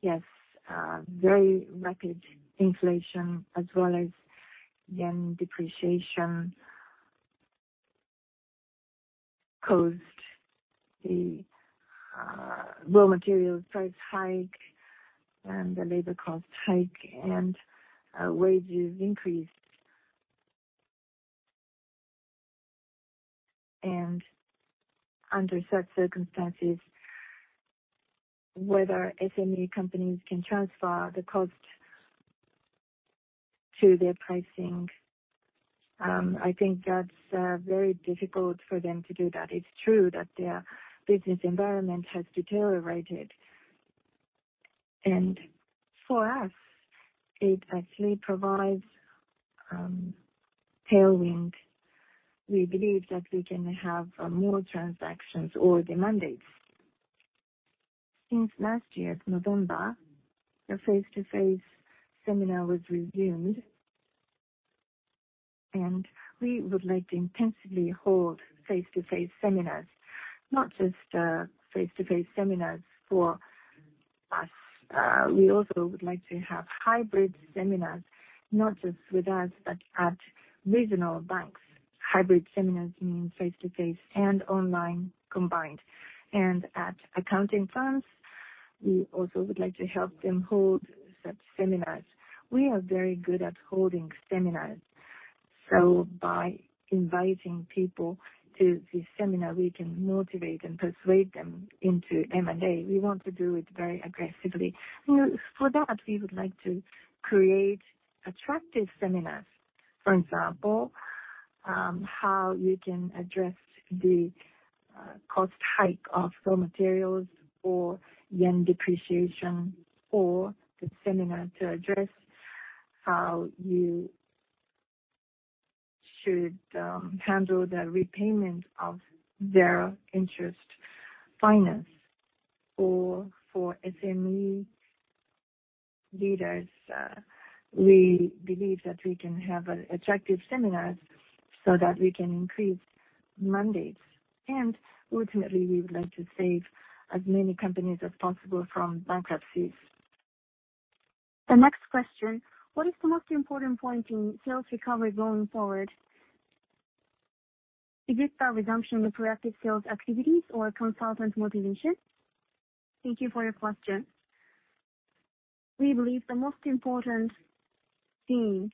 Yes, very rapid inflation as well as yen depreciation caused the raw material price hike and the labor cost hike and wages increased. Under such circumstances, whether SME companies can transfer the cost to their pricing, I think that's very difficult for them to do that. It's true that their business environment has deteriorated. For us it actually provides tailwind. We believe that we can have more transactions or the mandates. Since last year, November, a face-to-face seminar was resumed, and we would like to intensively hold face-to-face seminars, not just face-to-face seminars for us. We also would like to have hybrid seminars, not just with us, but at regional banks. Hybrid seminars mean face-to-face and online combined. At accounting firms, we also would like to help them hold such seminars. We are very good at holding seminars, so by inviting people to the seminar, we can motivate and persuade them into M&A. We want to do it very aggressively. You know, for that we would like to create attractive seminars. For example, how you can address the cost hike of raw materials or yen depreciation, or the seminar to address how you should handle the repayment of their interest finance. For SME leaders, we believe that we can have attractive seminars so that we can increase mandates. Ultimately, we would like to save as many companies as possible from bankruptcies. The next question: What is the most important point in sales recovery going forward? Is it the resumption of proactive sales activities or consultant motivation? Thank you for your question. We believe the most important thing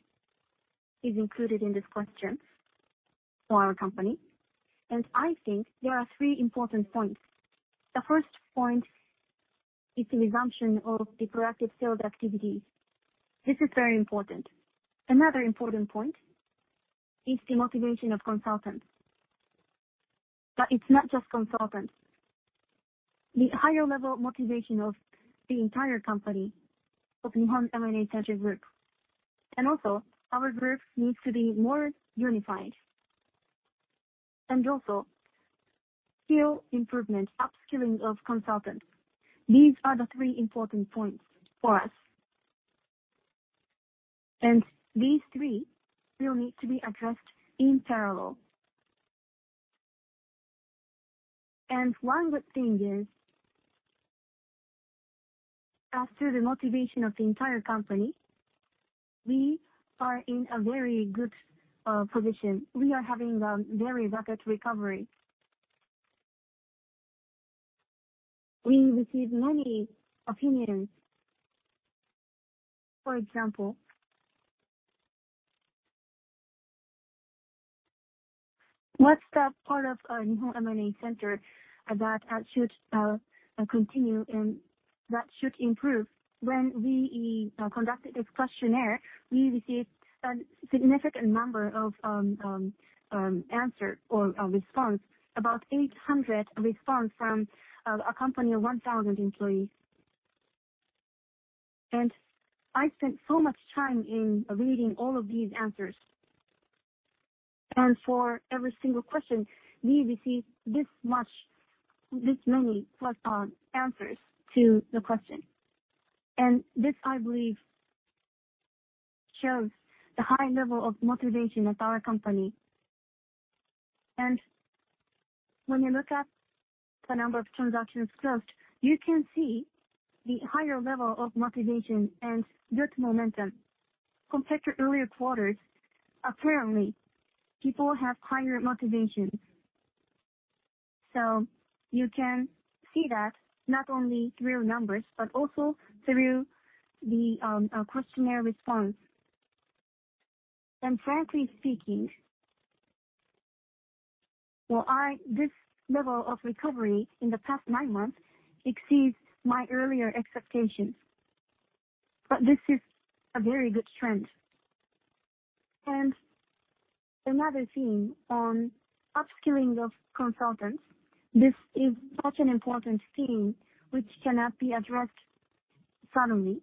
is included in this question for our company, I think there are three important points. The first point is the resumption of the proactive sales activities. This is very important. Another important point is the motivation of consultants. It's not just consultants. The higher level motivation of the entire company of Nihon M&A Center Group. Also our group needs to be more unified. Also skill improvement, upskilling of consultants. These are the three important points for us. These three will need to be addressed in parallel. One good thing is- After the motivation of the entire company, we are in a very good position. We are having a very rapid recovery. We receive many opinions. For example, what's the part of our Nihon M&A Center that should continue and that should improve? When we conducted this questionnaire, we received a significant number of answer or response, about 800 responses from a company of 1,000 employees. I spent so much time in reading all of these answers. For every single question, we received this much, this many plus answers to the question. This, I believe, shows the high level of motivation at our company. When you look at the number of transactions closed, you can see the higher level of motivation and good momentum compared to earlier quarters. Apparently, people have higher motivation. You can see that not only through numbers, but also through the questionnaire response. Frankly speaking, well, this level of recovery in the past nine months exceeds my earlier expectations, but this is a very good trend. Another theme on upskilling of consultants. This is such an important theme which cannot be addressed suddenly.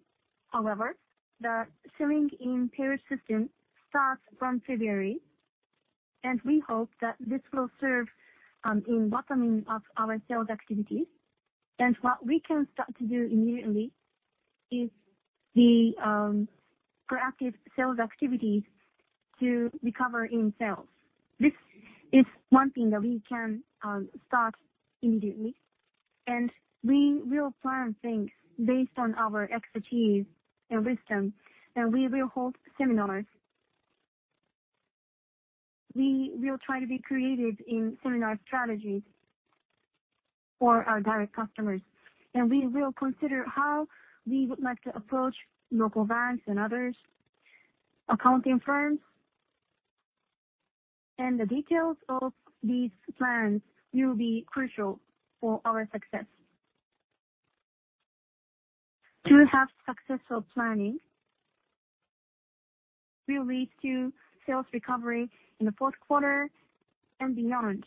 The selling in pairs system starts from February, and we hope that this will serve in bottoming of our sales activities. What we can start to do immediately is the proactive sales activities to recover in sales. This is one thing that we can start immediately, and we will plan things based on our expertise and wisdom, and we will hold seminars. We will try to be creative in seminar strategies for our direct customers, and we will consider how we would like to approach local banks and others, accounting firms. The details of these plans will be crucial for our success. To have successful planning will lead to sales recovery in the fourth quarter and beyond.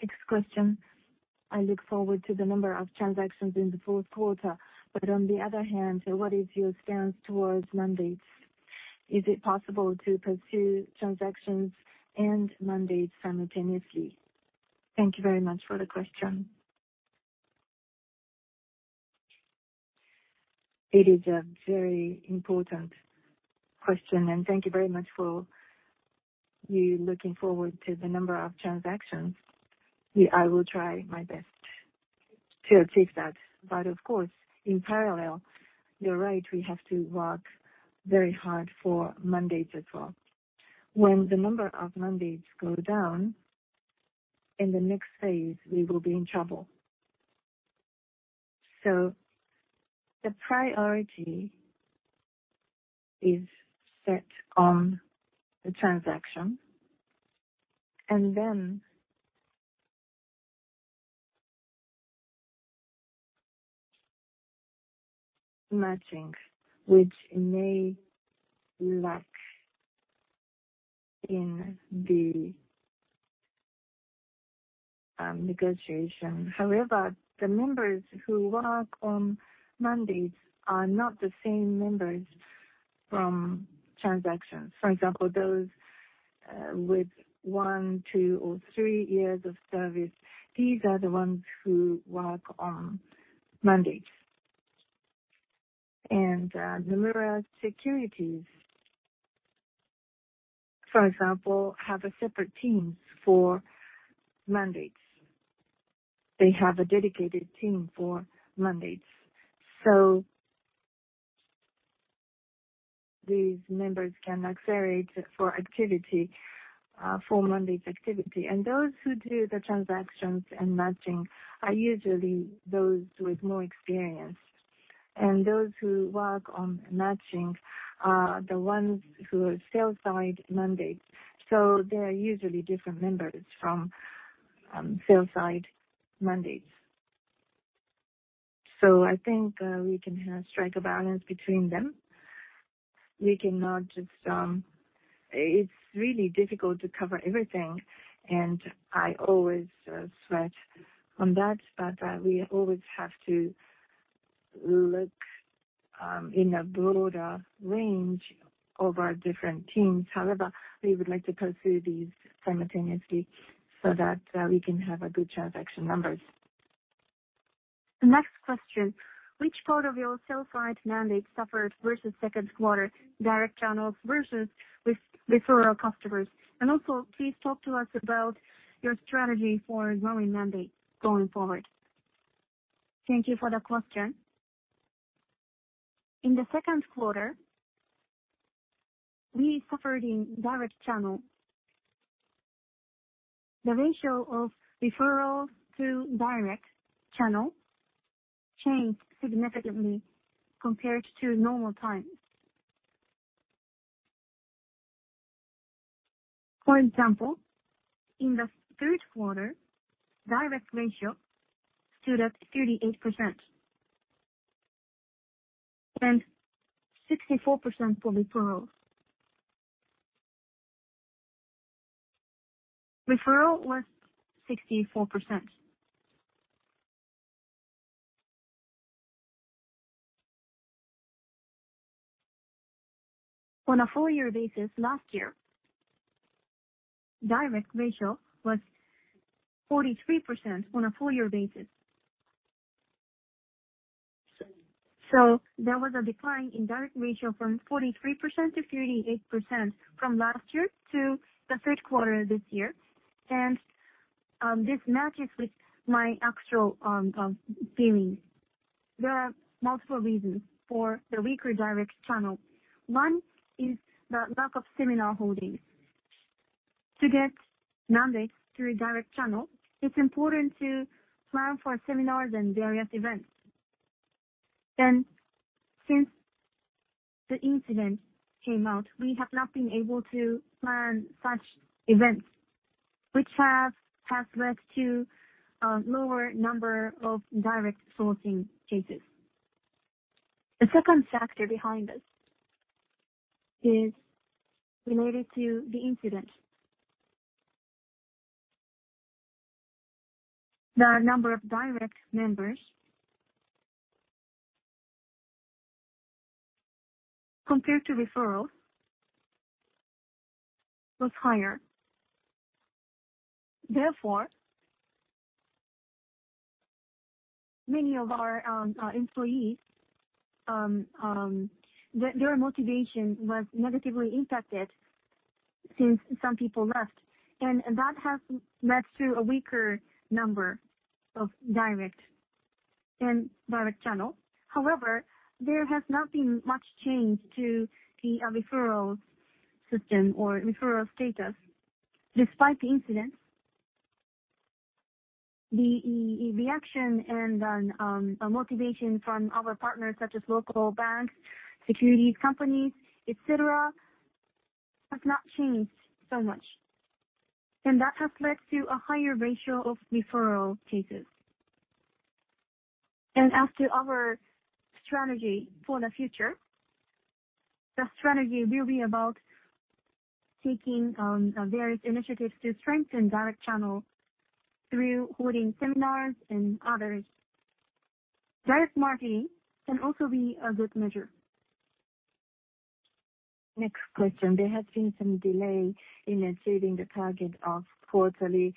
Next question. I look forward to the number of transactions in the fourth quarter, but on the other hand, what is your stance towards mandates? Is it possible to pursue transactions and mandates simultaneously? Thank you very much for the question. It is a very important question, and thank you very much for you looking forward to the number of transactions. I will try my best to achieve that, but of course, in parallel, you're right, we have to work very hard for mandates as well. When the number of mandates go down, in the next phase we will be in trouble. The priority is set on the transaction and then matching, which may lack in the negotiation. However, the members who work on mandates are not the same members from transactions. For example, those with one, two or three years of service, these are the ones who work on mandates. Nomura Securities, for example, have a separate team for mandates. They have a dedicated team for mandates. These members can accelerate for activity for mandates activity. Those who do the transactions and matching are usually those with more experience. Those who work on matching are the ones who are sell side mandates. They are usually different members from sell side mandates. I think we can strike a balance between them. It's really difficult to cover everything, and I always sweat on that, but we always have to look in a broader range of our different teams. However, we would like to pursue these simultaneously so that we can have a good transaction numbers. The next question, which part of your sell-side mandate suffered versus second quarter direct channels versus with referral customers? Also, please talk to us about your strategy for growing mandates going forward. Thank you for the question. In the 2Q, we suffered in direct channel. The ratio of referrals to direct channel changed significantly compared to normal times. For example, in the 3Q, direct ratio stood at 38% and 64% for referrals. Referral was 64%. On a full year basis last year, direct ratio was 43% on a full year basis. There was a decline in direct ratio from 43% to 38% from last year to the 3Q this year. This matches with my actual feeling. There are multiple reasons for the weaker direct channel. One is the lack of seminar holdings. To get mandates through a direct channel, it's important to plan for seminars and various events. Since the incident came out, we have not been able to plan such events, which has led to a lower number of direct sourcing cases. The second factor behind this is related to the incident. The number of direct members compared to referrals was higher. Many of our employees, their motivation was negatively impacted since some people left, and that has led to a weaker number of direct and direct channel. There has not been much change to the referrals system or referral status. Despite the incident, the action and motivation from our partners, such as local banks, securities companies, et cetera, has not changed so much, and that has led to a higher ratio of referral cases. As to our strategy for the future, the strategy will be about taking various initiatives to strengthen direct channel through holding seminars and others. Direct marketing can also be a good measure. Next question. There has been some delay in achieving the target of quarterly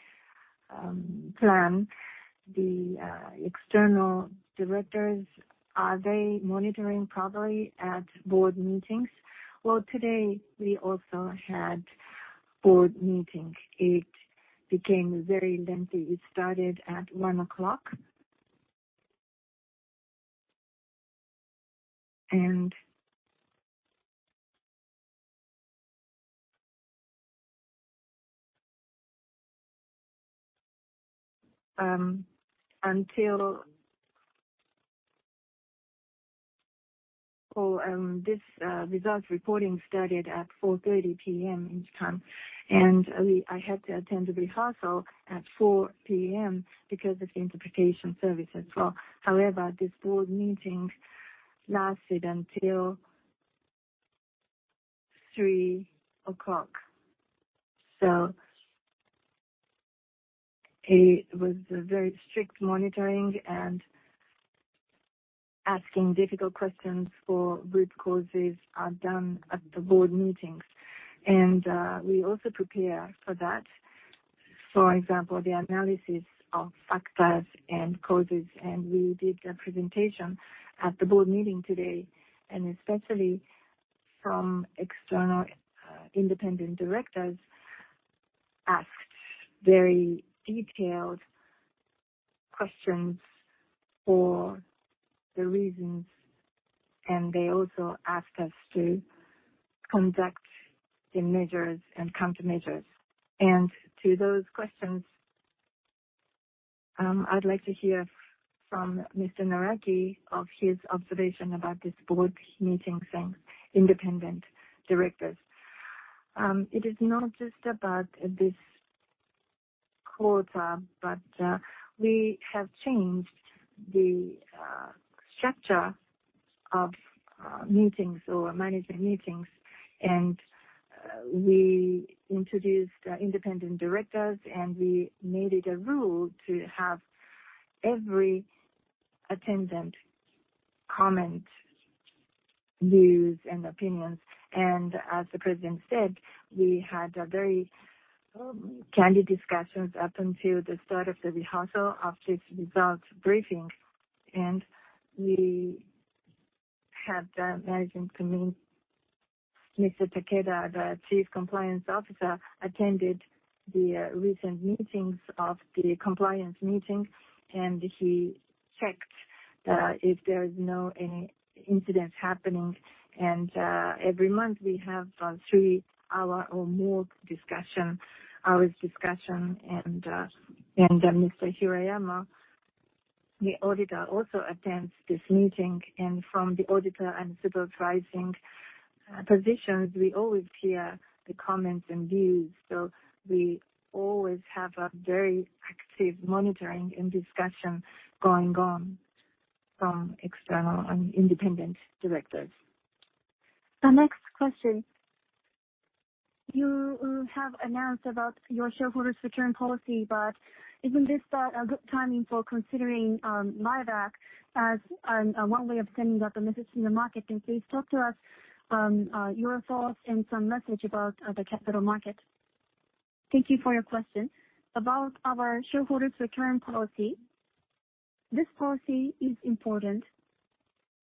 plan. External directors, are they monitoring properly at board meetings? Today we also had board meeting. It became very lengthy. It started at 1:00. Results reporting started at 4:30 P.M. in Japan, and I had to attend the rehearsal at 4:00 P.M. because of the interpretation service as well. However, this board meeting lasted until 3:00. It was a very strict monitoring and asking difficult questions for root causes are done at the board meetings. We also prepare for that, for example, the analysis of factors and causes. We did a presentation at the board meeting today, and especially from external independent directors asked very detailed questions for the reasons, and they also asked us to conduct the measures and countermeasures. To those questions, I'd like to hear from Mr. Naraki of his observation about this board meetings and independent directors. It is not just about this quarter, but we have changed the structure of meetings or management meetings, and we introduced independent directors, and we made it a rule to have every attendant comment. Views and opinions. As the president said, we had a very candid discussions up until the start of the rehearsal of this results briefing. We have the management committee, Mr. Takeda, the Chief Compliance Officer, attended the recent meetings of the compliance meeting, and he checked if there is no any incident happening. Every month, we have a three hour or more discussion. Mr. Hirayama, the auditor, also attends this meeting. From the auditor and supervising positions, we always hear the comments and views. We always have a very active monitoring and discussion going on from external and independent directors. The next question. You have announced about your shareholders' return policy. Isn't this a good timing for considering buyback as one way of sending out the message to the market? Can you please talk to us your thoughts and some message about the capital market? Thank you for your question. About our shareholders' return policy, this policy is important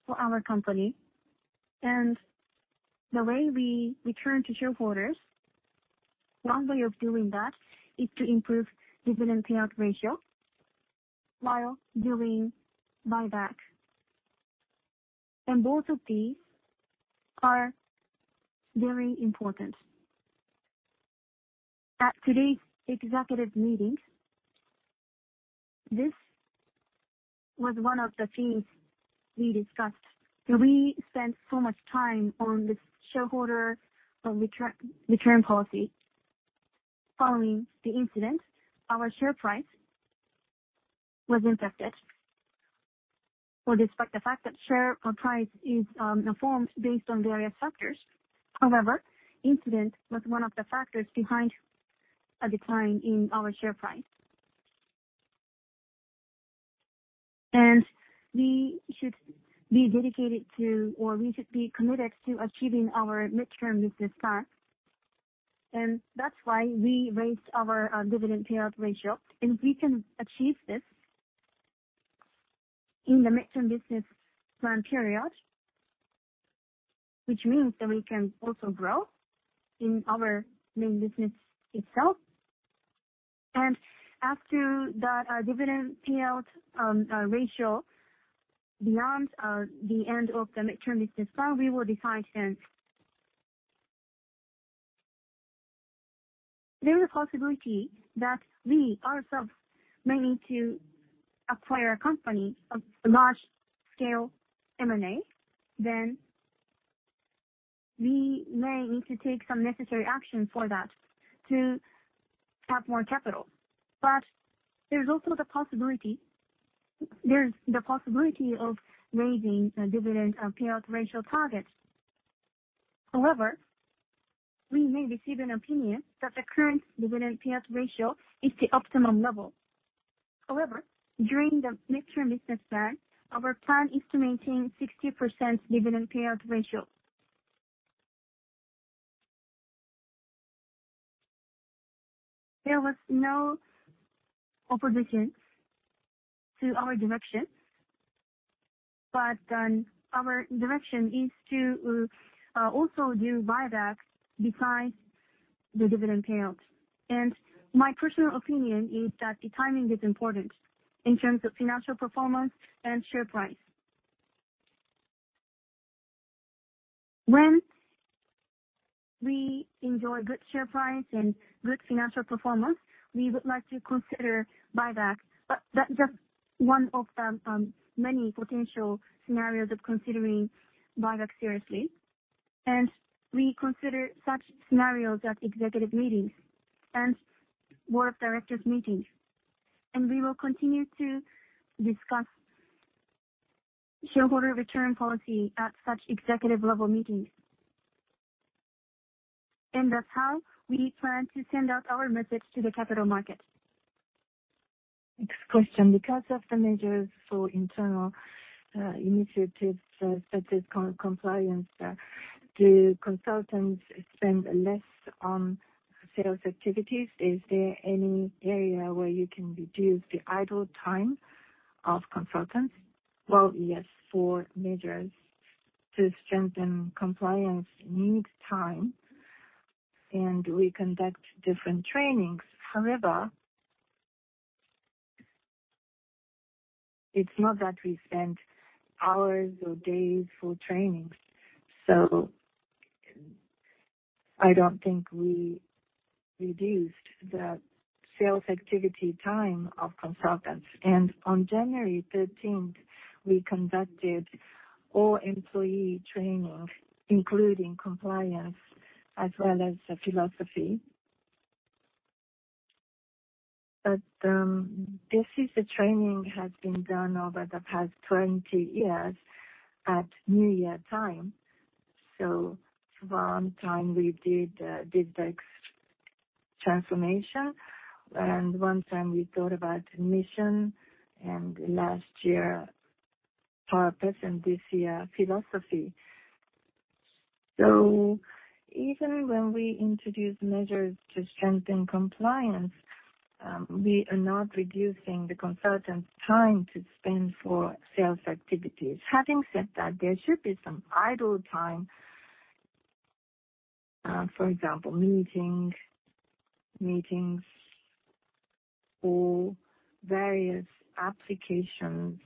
for our company and the way we return to shareholders. One way of doing that is to improve dividend payout ratio while doing buyback. Both of these are very important. At today's executive meeting, this was one of the things we discussed. We spent so much time on this shareholder return policy. Following the incident, our share price was impacted. Despite the fact that share price is formed based on various factors. However, incident was one of the factors behind a decline in our share price. We should be dedicated to, or we should be committed to achieving our midterm business plan. That's why we raised our dividend payout ratio. We can achieve this in the midterm business plan period, which means that we can also grow in our main business itself. As to the dividend payout ratio beyond the end of the midterm business plan, we will decide then. There is a possibility that we ourselves may need to acquire a company, a large-scale M&A, then we may need to take some necessary action for that to have more capital. There's also the possibility of raising a dividend payout ratio target. We may receive an opinion that the current dividend payout ratio is the optimum level. During the midterm business plan, our plan is to maintain 60% dividend payout ratio. There was no opposition to our direction, our direction is to also do buyback besides the dividend payout. My personal opinion is that the timing is important in terms of financial performance and share price. When we enjoy good share price and good financial performance, we would like to consider buyback. That's just one of the many potential scenarios of considering buyback seriously. We consider such scenarios at executive meetings and board of directors meetings, and we will continue to discuss shareholder return policy at such executive level meetings. That's how we plan to send out our message to the capital market. Next question. Because of the measures for internal initiatives such as compliance, do consultants spend less on sales activities? Is there any area where you can reduce the idle time of consultants? Well, yes, for measures to strengthen compliance needs time, and we conduct different trainings. However, it's not that we spend hours or days for trainings, so I don't think we reduced the sales activity time of consultants. On January 13th, we conducted all employee training, including compliance as well as the philosophy. This is a training has been done over the past 20 years at new year time. Sometime we did the DX Transformation. One time we thought about mission, and last year purpose, and this year philosophy. Even when we introduce measures to strengthen compliance, we are not reducing the consultants time to spend for sales activities. Having said that, there should be some idle time. For example, meetings or various applications.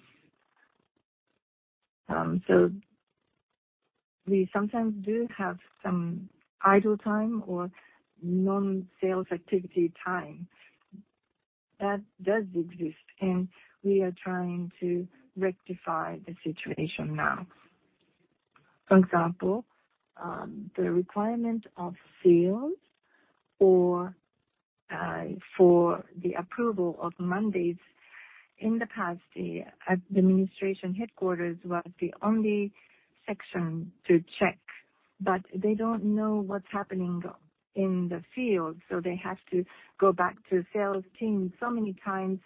We sometimes do have some idle time or non-sales activity time. That does exist, and we are trying to rectify the situation now. For example, the requirement of sales or for the approval of mandates. In the past, the administration headquarters was the only section to check. They don't know what's happening in the field, they have to go back to sales team so many times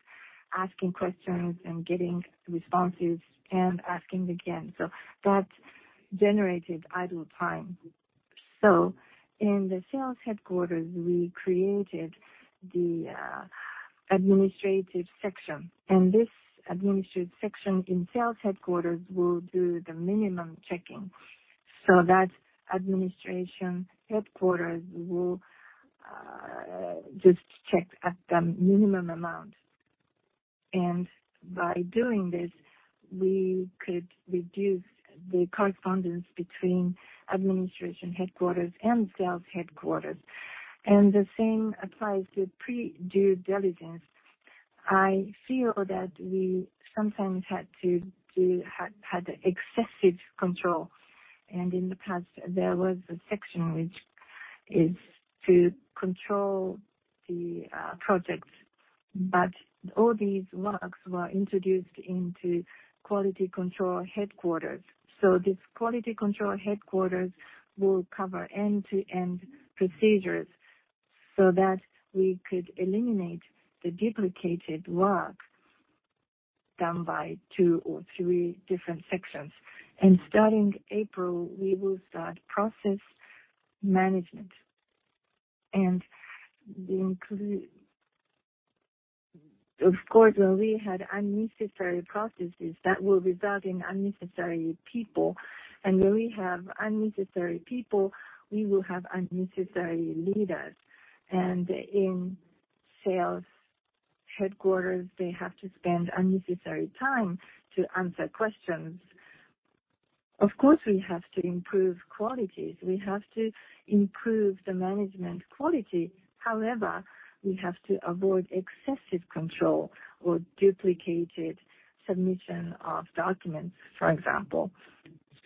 asking questions and getting responses and asking again. That generated idle time. In the sales headquarters, we created the administrative section. This administrative section in sales headquarters will do the minimum checking so that administration headquarters will just check at the minimum amount. By doing this, we could reduce the correspondence between administration headquarters and sales headquarters. The same applies to pre-due diligence. I feel that we sometimes had excessive control. In the past there was a section which is to control the projects. All these works were introduced into quality control headquarters. This quality control headquarters will cover end-to-end procedures so that we could eliminate the duplicated work done by two or three different sections. Starting April, we will start process management. Of course, when we had unnecessary processes, that will result in unnecessary people. When we have unnecessary people, we will have unnecessary leaders. In sales headquarters, they have to spend unnecessary time to answer questions. Of course, we have to improve qualities. We have to improve the management quality. However, we have to avoid excessive control or duplicated submission of documents, for example.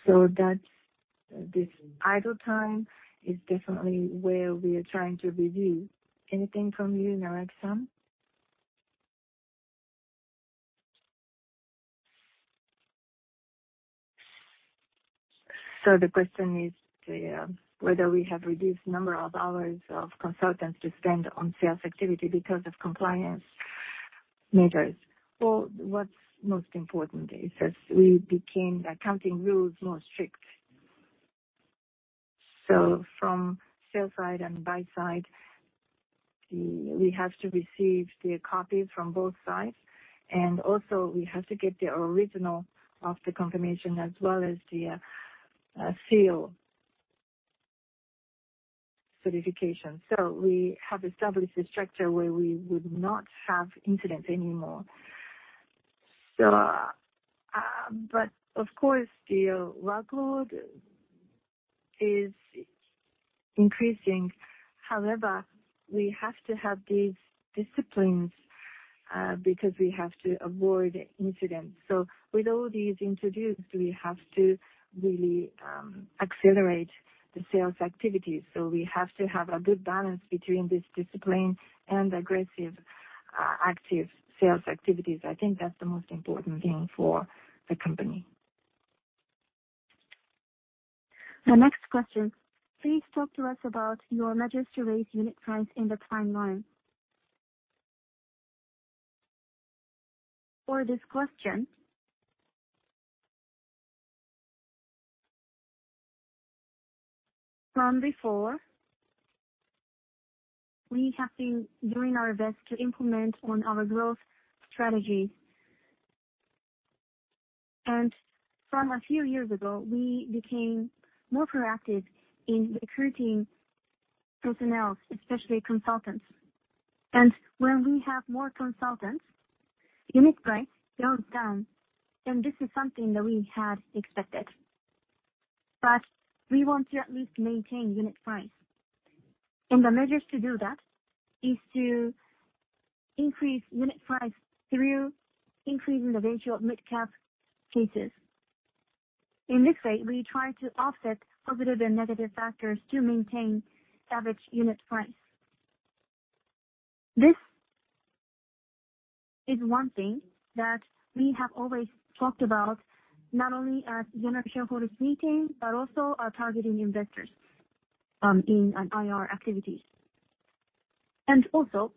This idle time is definitely where we are trying to review. Anything from you, Naraki-san? The question is whether we have reduced number of hours of consultants to spend on sales activity because of compliance measures. What's most important is as we became, the accounting rules more strict. From sell side and buy side, we have to receive the copies from both sides. We have to get the original of the confirmation as well as the Seal Certificate. We have established a structure where we would not have incidents anymore. Of course the workload is increasing. However, we have to have these disciplines because we have to avoid incidents. With all these introduced, we have to really accelerate the sales activities. We have to have a good balance between this discipline and aggressive active sales activities. I think that's the most important thing for the company. The next question. Please talk to us about your measures to raise unit price in the timeline. For this question. From before, we have been doing our best to implement on our growth strategy. From a few years ago, we became more proactive in recruiting personnel, especially consultants. When we have more consultants, unit price goes down, and this is something that we had expected. We want to at least maintain unit price. The measures to do that is to increase unit price through increasing the ratio of mid-cap cases. In this way, we try to offset positive and negative factors to maintain average unit price. Is one thing that we have always talked about, not only at general shareholders meeting, but also our targeting investors, in an IR activities. Also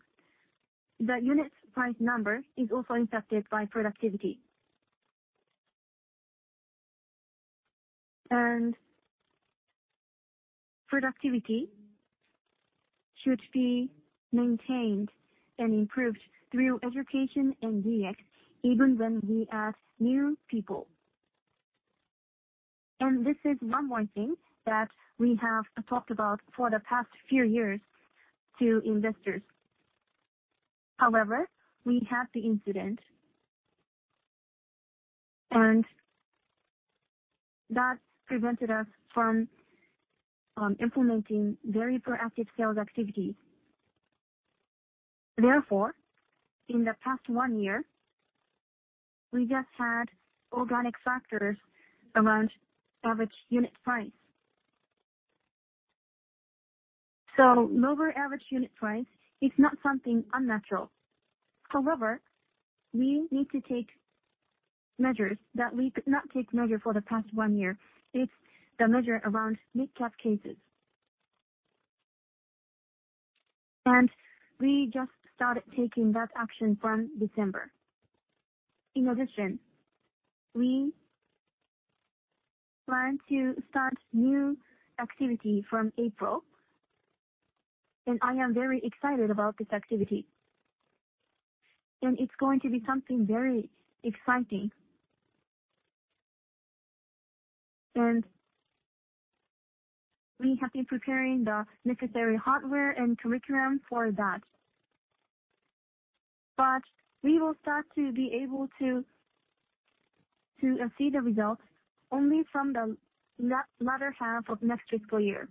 the unit price number is also impacted by productivity. Productivity should be maintained and improved through education and DX even when we add new people. This is one more thing that we have talked about for the past few years to investors. We had the incident, and that prevented us from implementing very proactive sales activities. In the past one year, we just had organic factors around average unit price. Lower average unit price is not something unnatural. We need to take measures that we could not take measure for the past one year. It's the measure around mid-cap cases. We just started taking that action from December. In addition, we plan to start new activity from April, and I am very excited about this activity. It's going to be something very exciting. We have been preparing the necessary hardware and curriculum for that. We will start to be able to see the results only from the latter half of next fiscal year.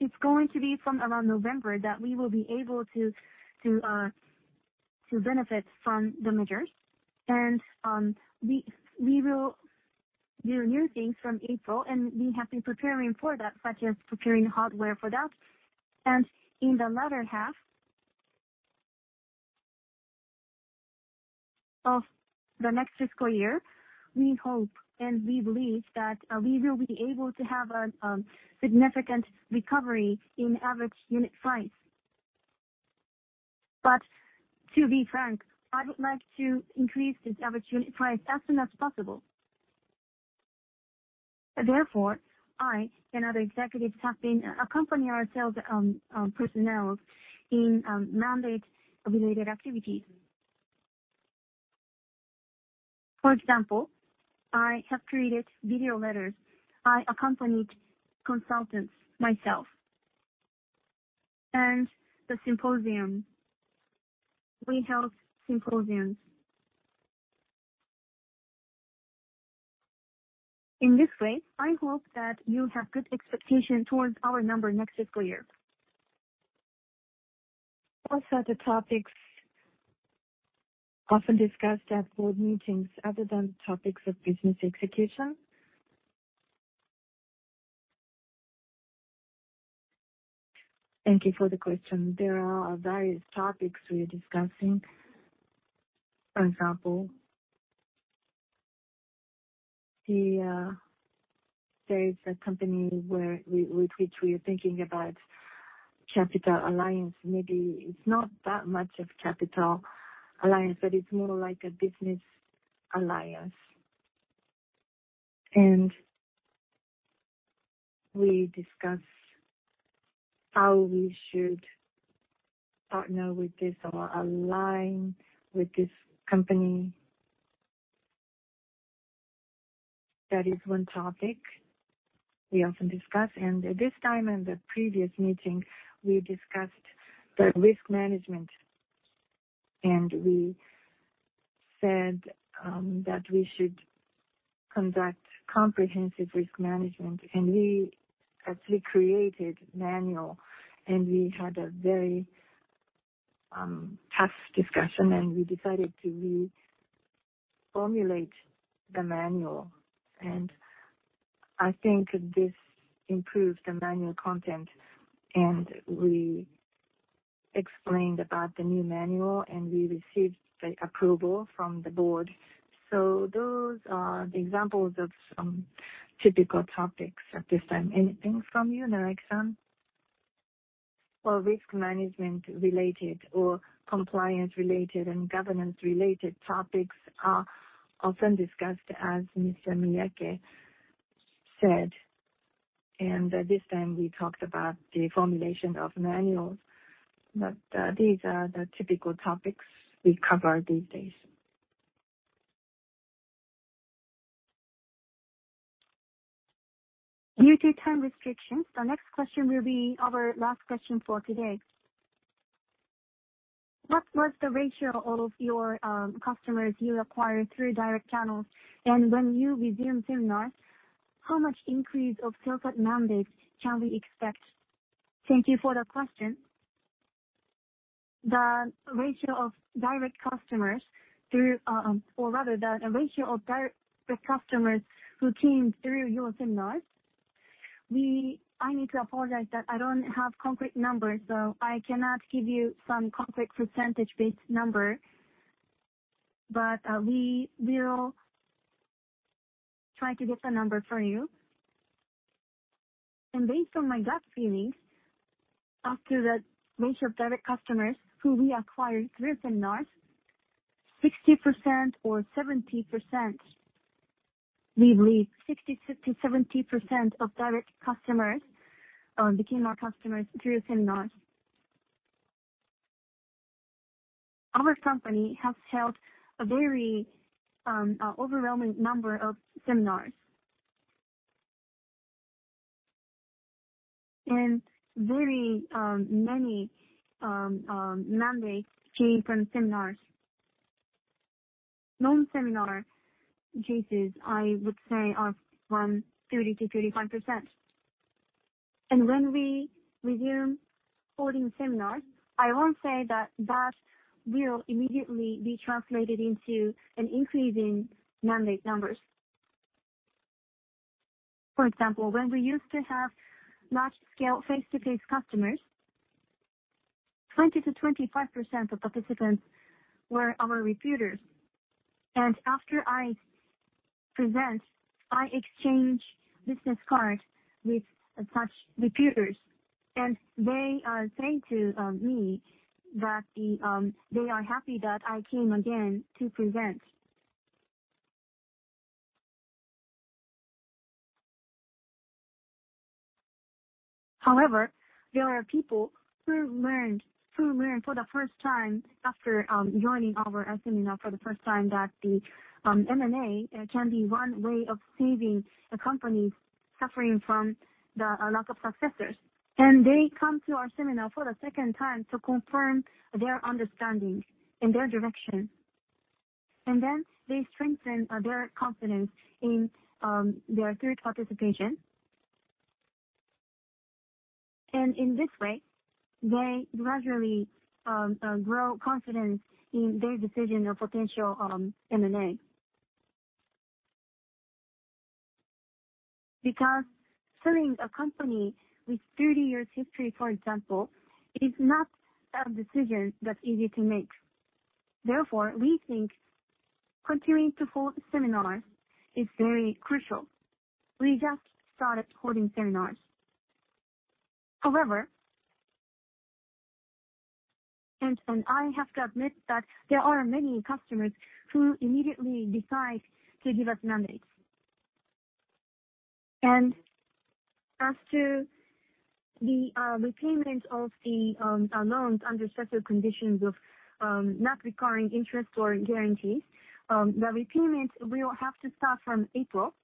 It's going to be from around November that we will be able to benefit from the measures. We will do new things from April, and we have been preparing for that, such as preparing hardware for that. In the latter half of the next fiscal year, we hope and we believe that we will be able to have a significant recovery in average unit price. To be frank, I would like to increase this average unit price as soon as possible. I and other executives have been accompany ourselves personnel in mandate related activities. For example, I have created video letters. I accompanied consultants myself and the symposium. We held symposiums. In this way, I hope that you have good expectation towards our number next fiscal year. What are the topics often discussed at board meetings other than topics of business execution? Thank you for the question. There are various topics we are discussing. For example, there is a company with which we are thinking about capital alliance. Maybe it's not that much of capital alliance, but it's more like a business alliance. We discuss how we should partner with this or align with this company. That is one topic we often discuss. This time in the previous meeting, we discussed the risk management, and we said that we should conduct comprehensive risk management. We actually created manual, and we had a very tough discussion, and we decided to reformulate the manual. I think this improved the manual content, and we explained about the new manual, and we received the approval from the board. Those are the examples of some typical topics at this time. Anything from you, Naraki-san? Well, risk management related or compliance related and governance related topics are often discussed, as Mr. Miyake said. This time we talked about the formulation of manuals. These are the typical topics we cover these days. Due to time restrictions, the next question will be our last question for today. What was the ratio of your customers you acquired through direct channels? When you resume seminars, how much increase of sales at mandates can we expect? Thank you for the question. The ratio of direct customers through, or rather the ratio of direct customers who came through your seminars. I need to apologize that I don't have concrete numbers, so I cannot give you some concrete percentage-based number. We will try to get the number for you. Based on my gut feeling, after the ratio of direct customers who we acquired through seminars, 60% or 70%, we believe 60%-70% of direct customers became our customers through seminars. Our company has held a very overwhelming number of seminars. Very many mandates came from seminars. Non-seminar cases, I would say, are from 30%-35%. When we resume holding seminars, I won't say that that will immediately be translated into an increase in mandate numbers. For example, when we used to have large-scale face-to-face customers, 20%-25% of participants were our repeaters. After I present, I exchange business cards with such repeaters, and they are saying to me that they are happy that I came again to present. However, there are people who learned for the first time after joining our seminar for the first time that M&A can be one way of saving a company suffering from a lack of successors. They come to our seminar for the second time to confirm their understanding and their direction. Then they strengthen their confidence in their third participation. In this way, they gradually grow confidence in their decision of potential M&A. Selling a company with 30 years history, for example, is not a decision that's easy to make. Therefore, we think continuing to hold seminars is very crucial. We just started holding seminars. I have to admit that there are many customers who immediately decide to give us mandates. As to the repayment of the loans under special conditions of not requiring interest or guarantees, the repayment will have to start from April.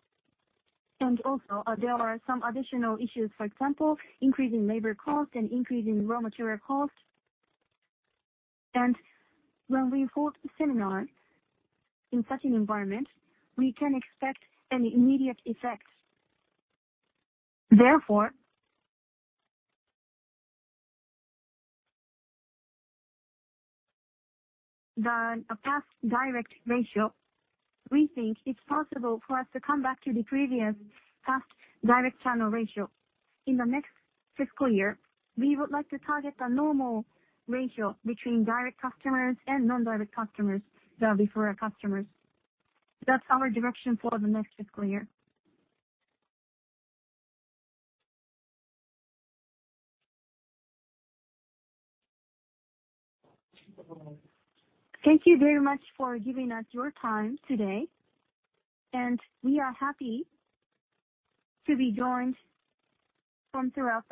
There are some additional issues, for example, increase in labor cost and increase in raw material cost. When we hold seminar in such an environment, we can expect an immediate effect. The past direct ratio, we think it's possible for us to come back to the previous past direct channel ratio. In the next fiscal year, we would like to target a normal ratio between direct customers and non-direct customers that refer customers. That's our direction for the next fiscal year. Thank you very much for giving us your time today, and we are happy to be joined from throughout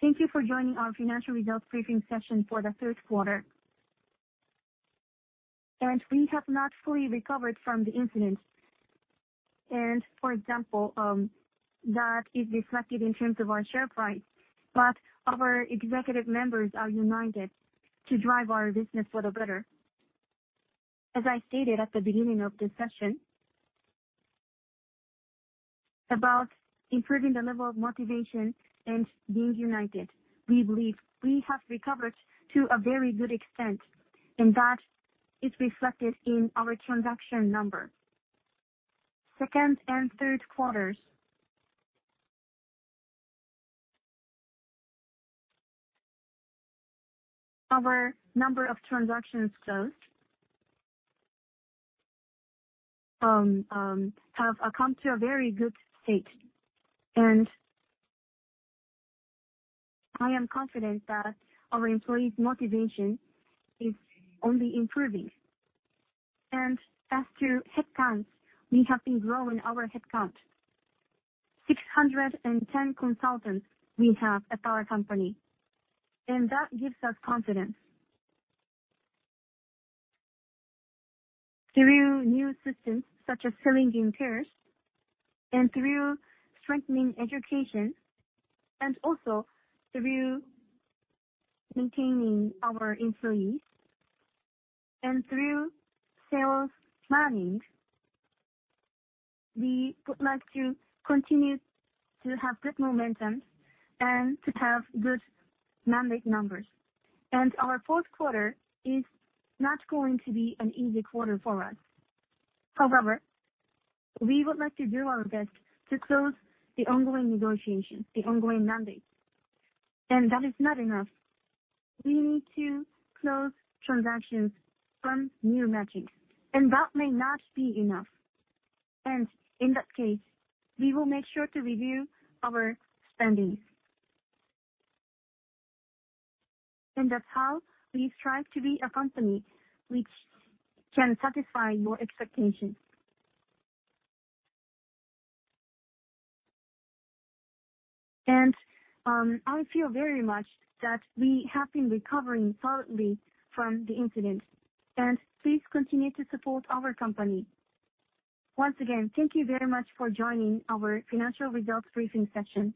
the world. Thank you for joining our financial results briefing session for the third quarter. We have not fully recovered from the incident. For example, that is reflected in terms of our share price. Our executive members are united to drive our business for the better. As I stated at the beginning of this session, about improving the level of motivation and being united, we believe we have recovered to a very good extent, and that is reflected in our transaction number. Second and third quarters. Our number of transactions closed have come to a very good state. I am confident that our employees' motivation is only improving. As to headcounts, we have been growing our headcount. 610 consultants we have at our company, and that gives us confidence. Through new systems, such as selling in pairs, and through strengthening education, and also through maintaining our employees, and through sales management, we would like to continue to have good momentum and to have good mandate numbers. Our fourth quarter is not going to be an easy quarter for us. However, we would like to do our best to close the ongoing negotiations, the ongoing mandates. And that is not enough. We need to close transactions from new matchings, and that may not be enough. In that case, we will make sure to review our spendings. That's how we strive to be a company which can satisfy your expectations. I feel very much that we have been recovering solidly from the incident. Please continue to support our company. Once again, thank you very much for joining our financial results briefing session.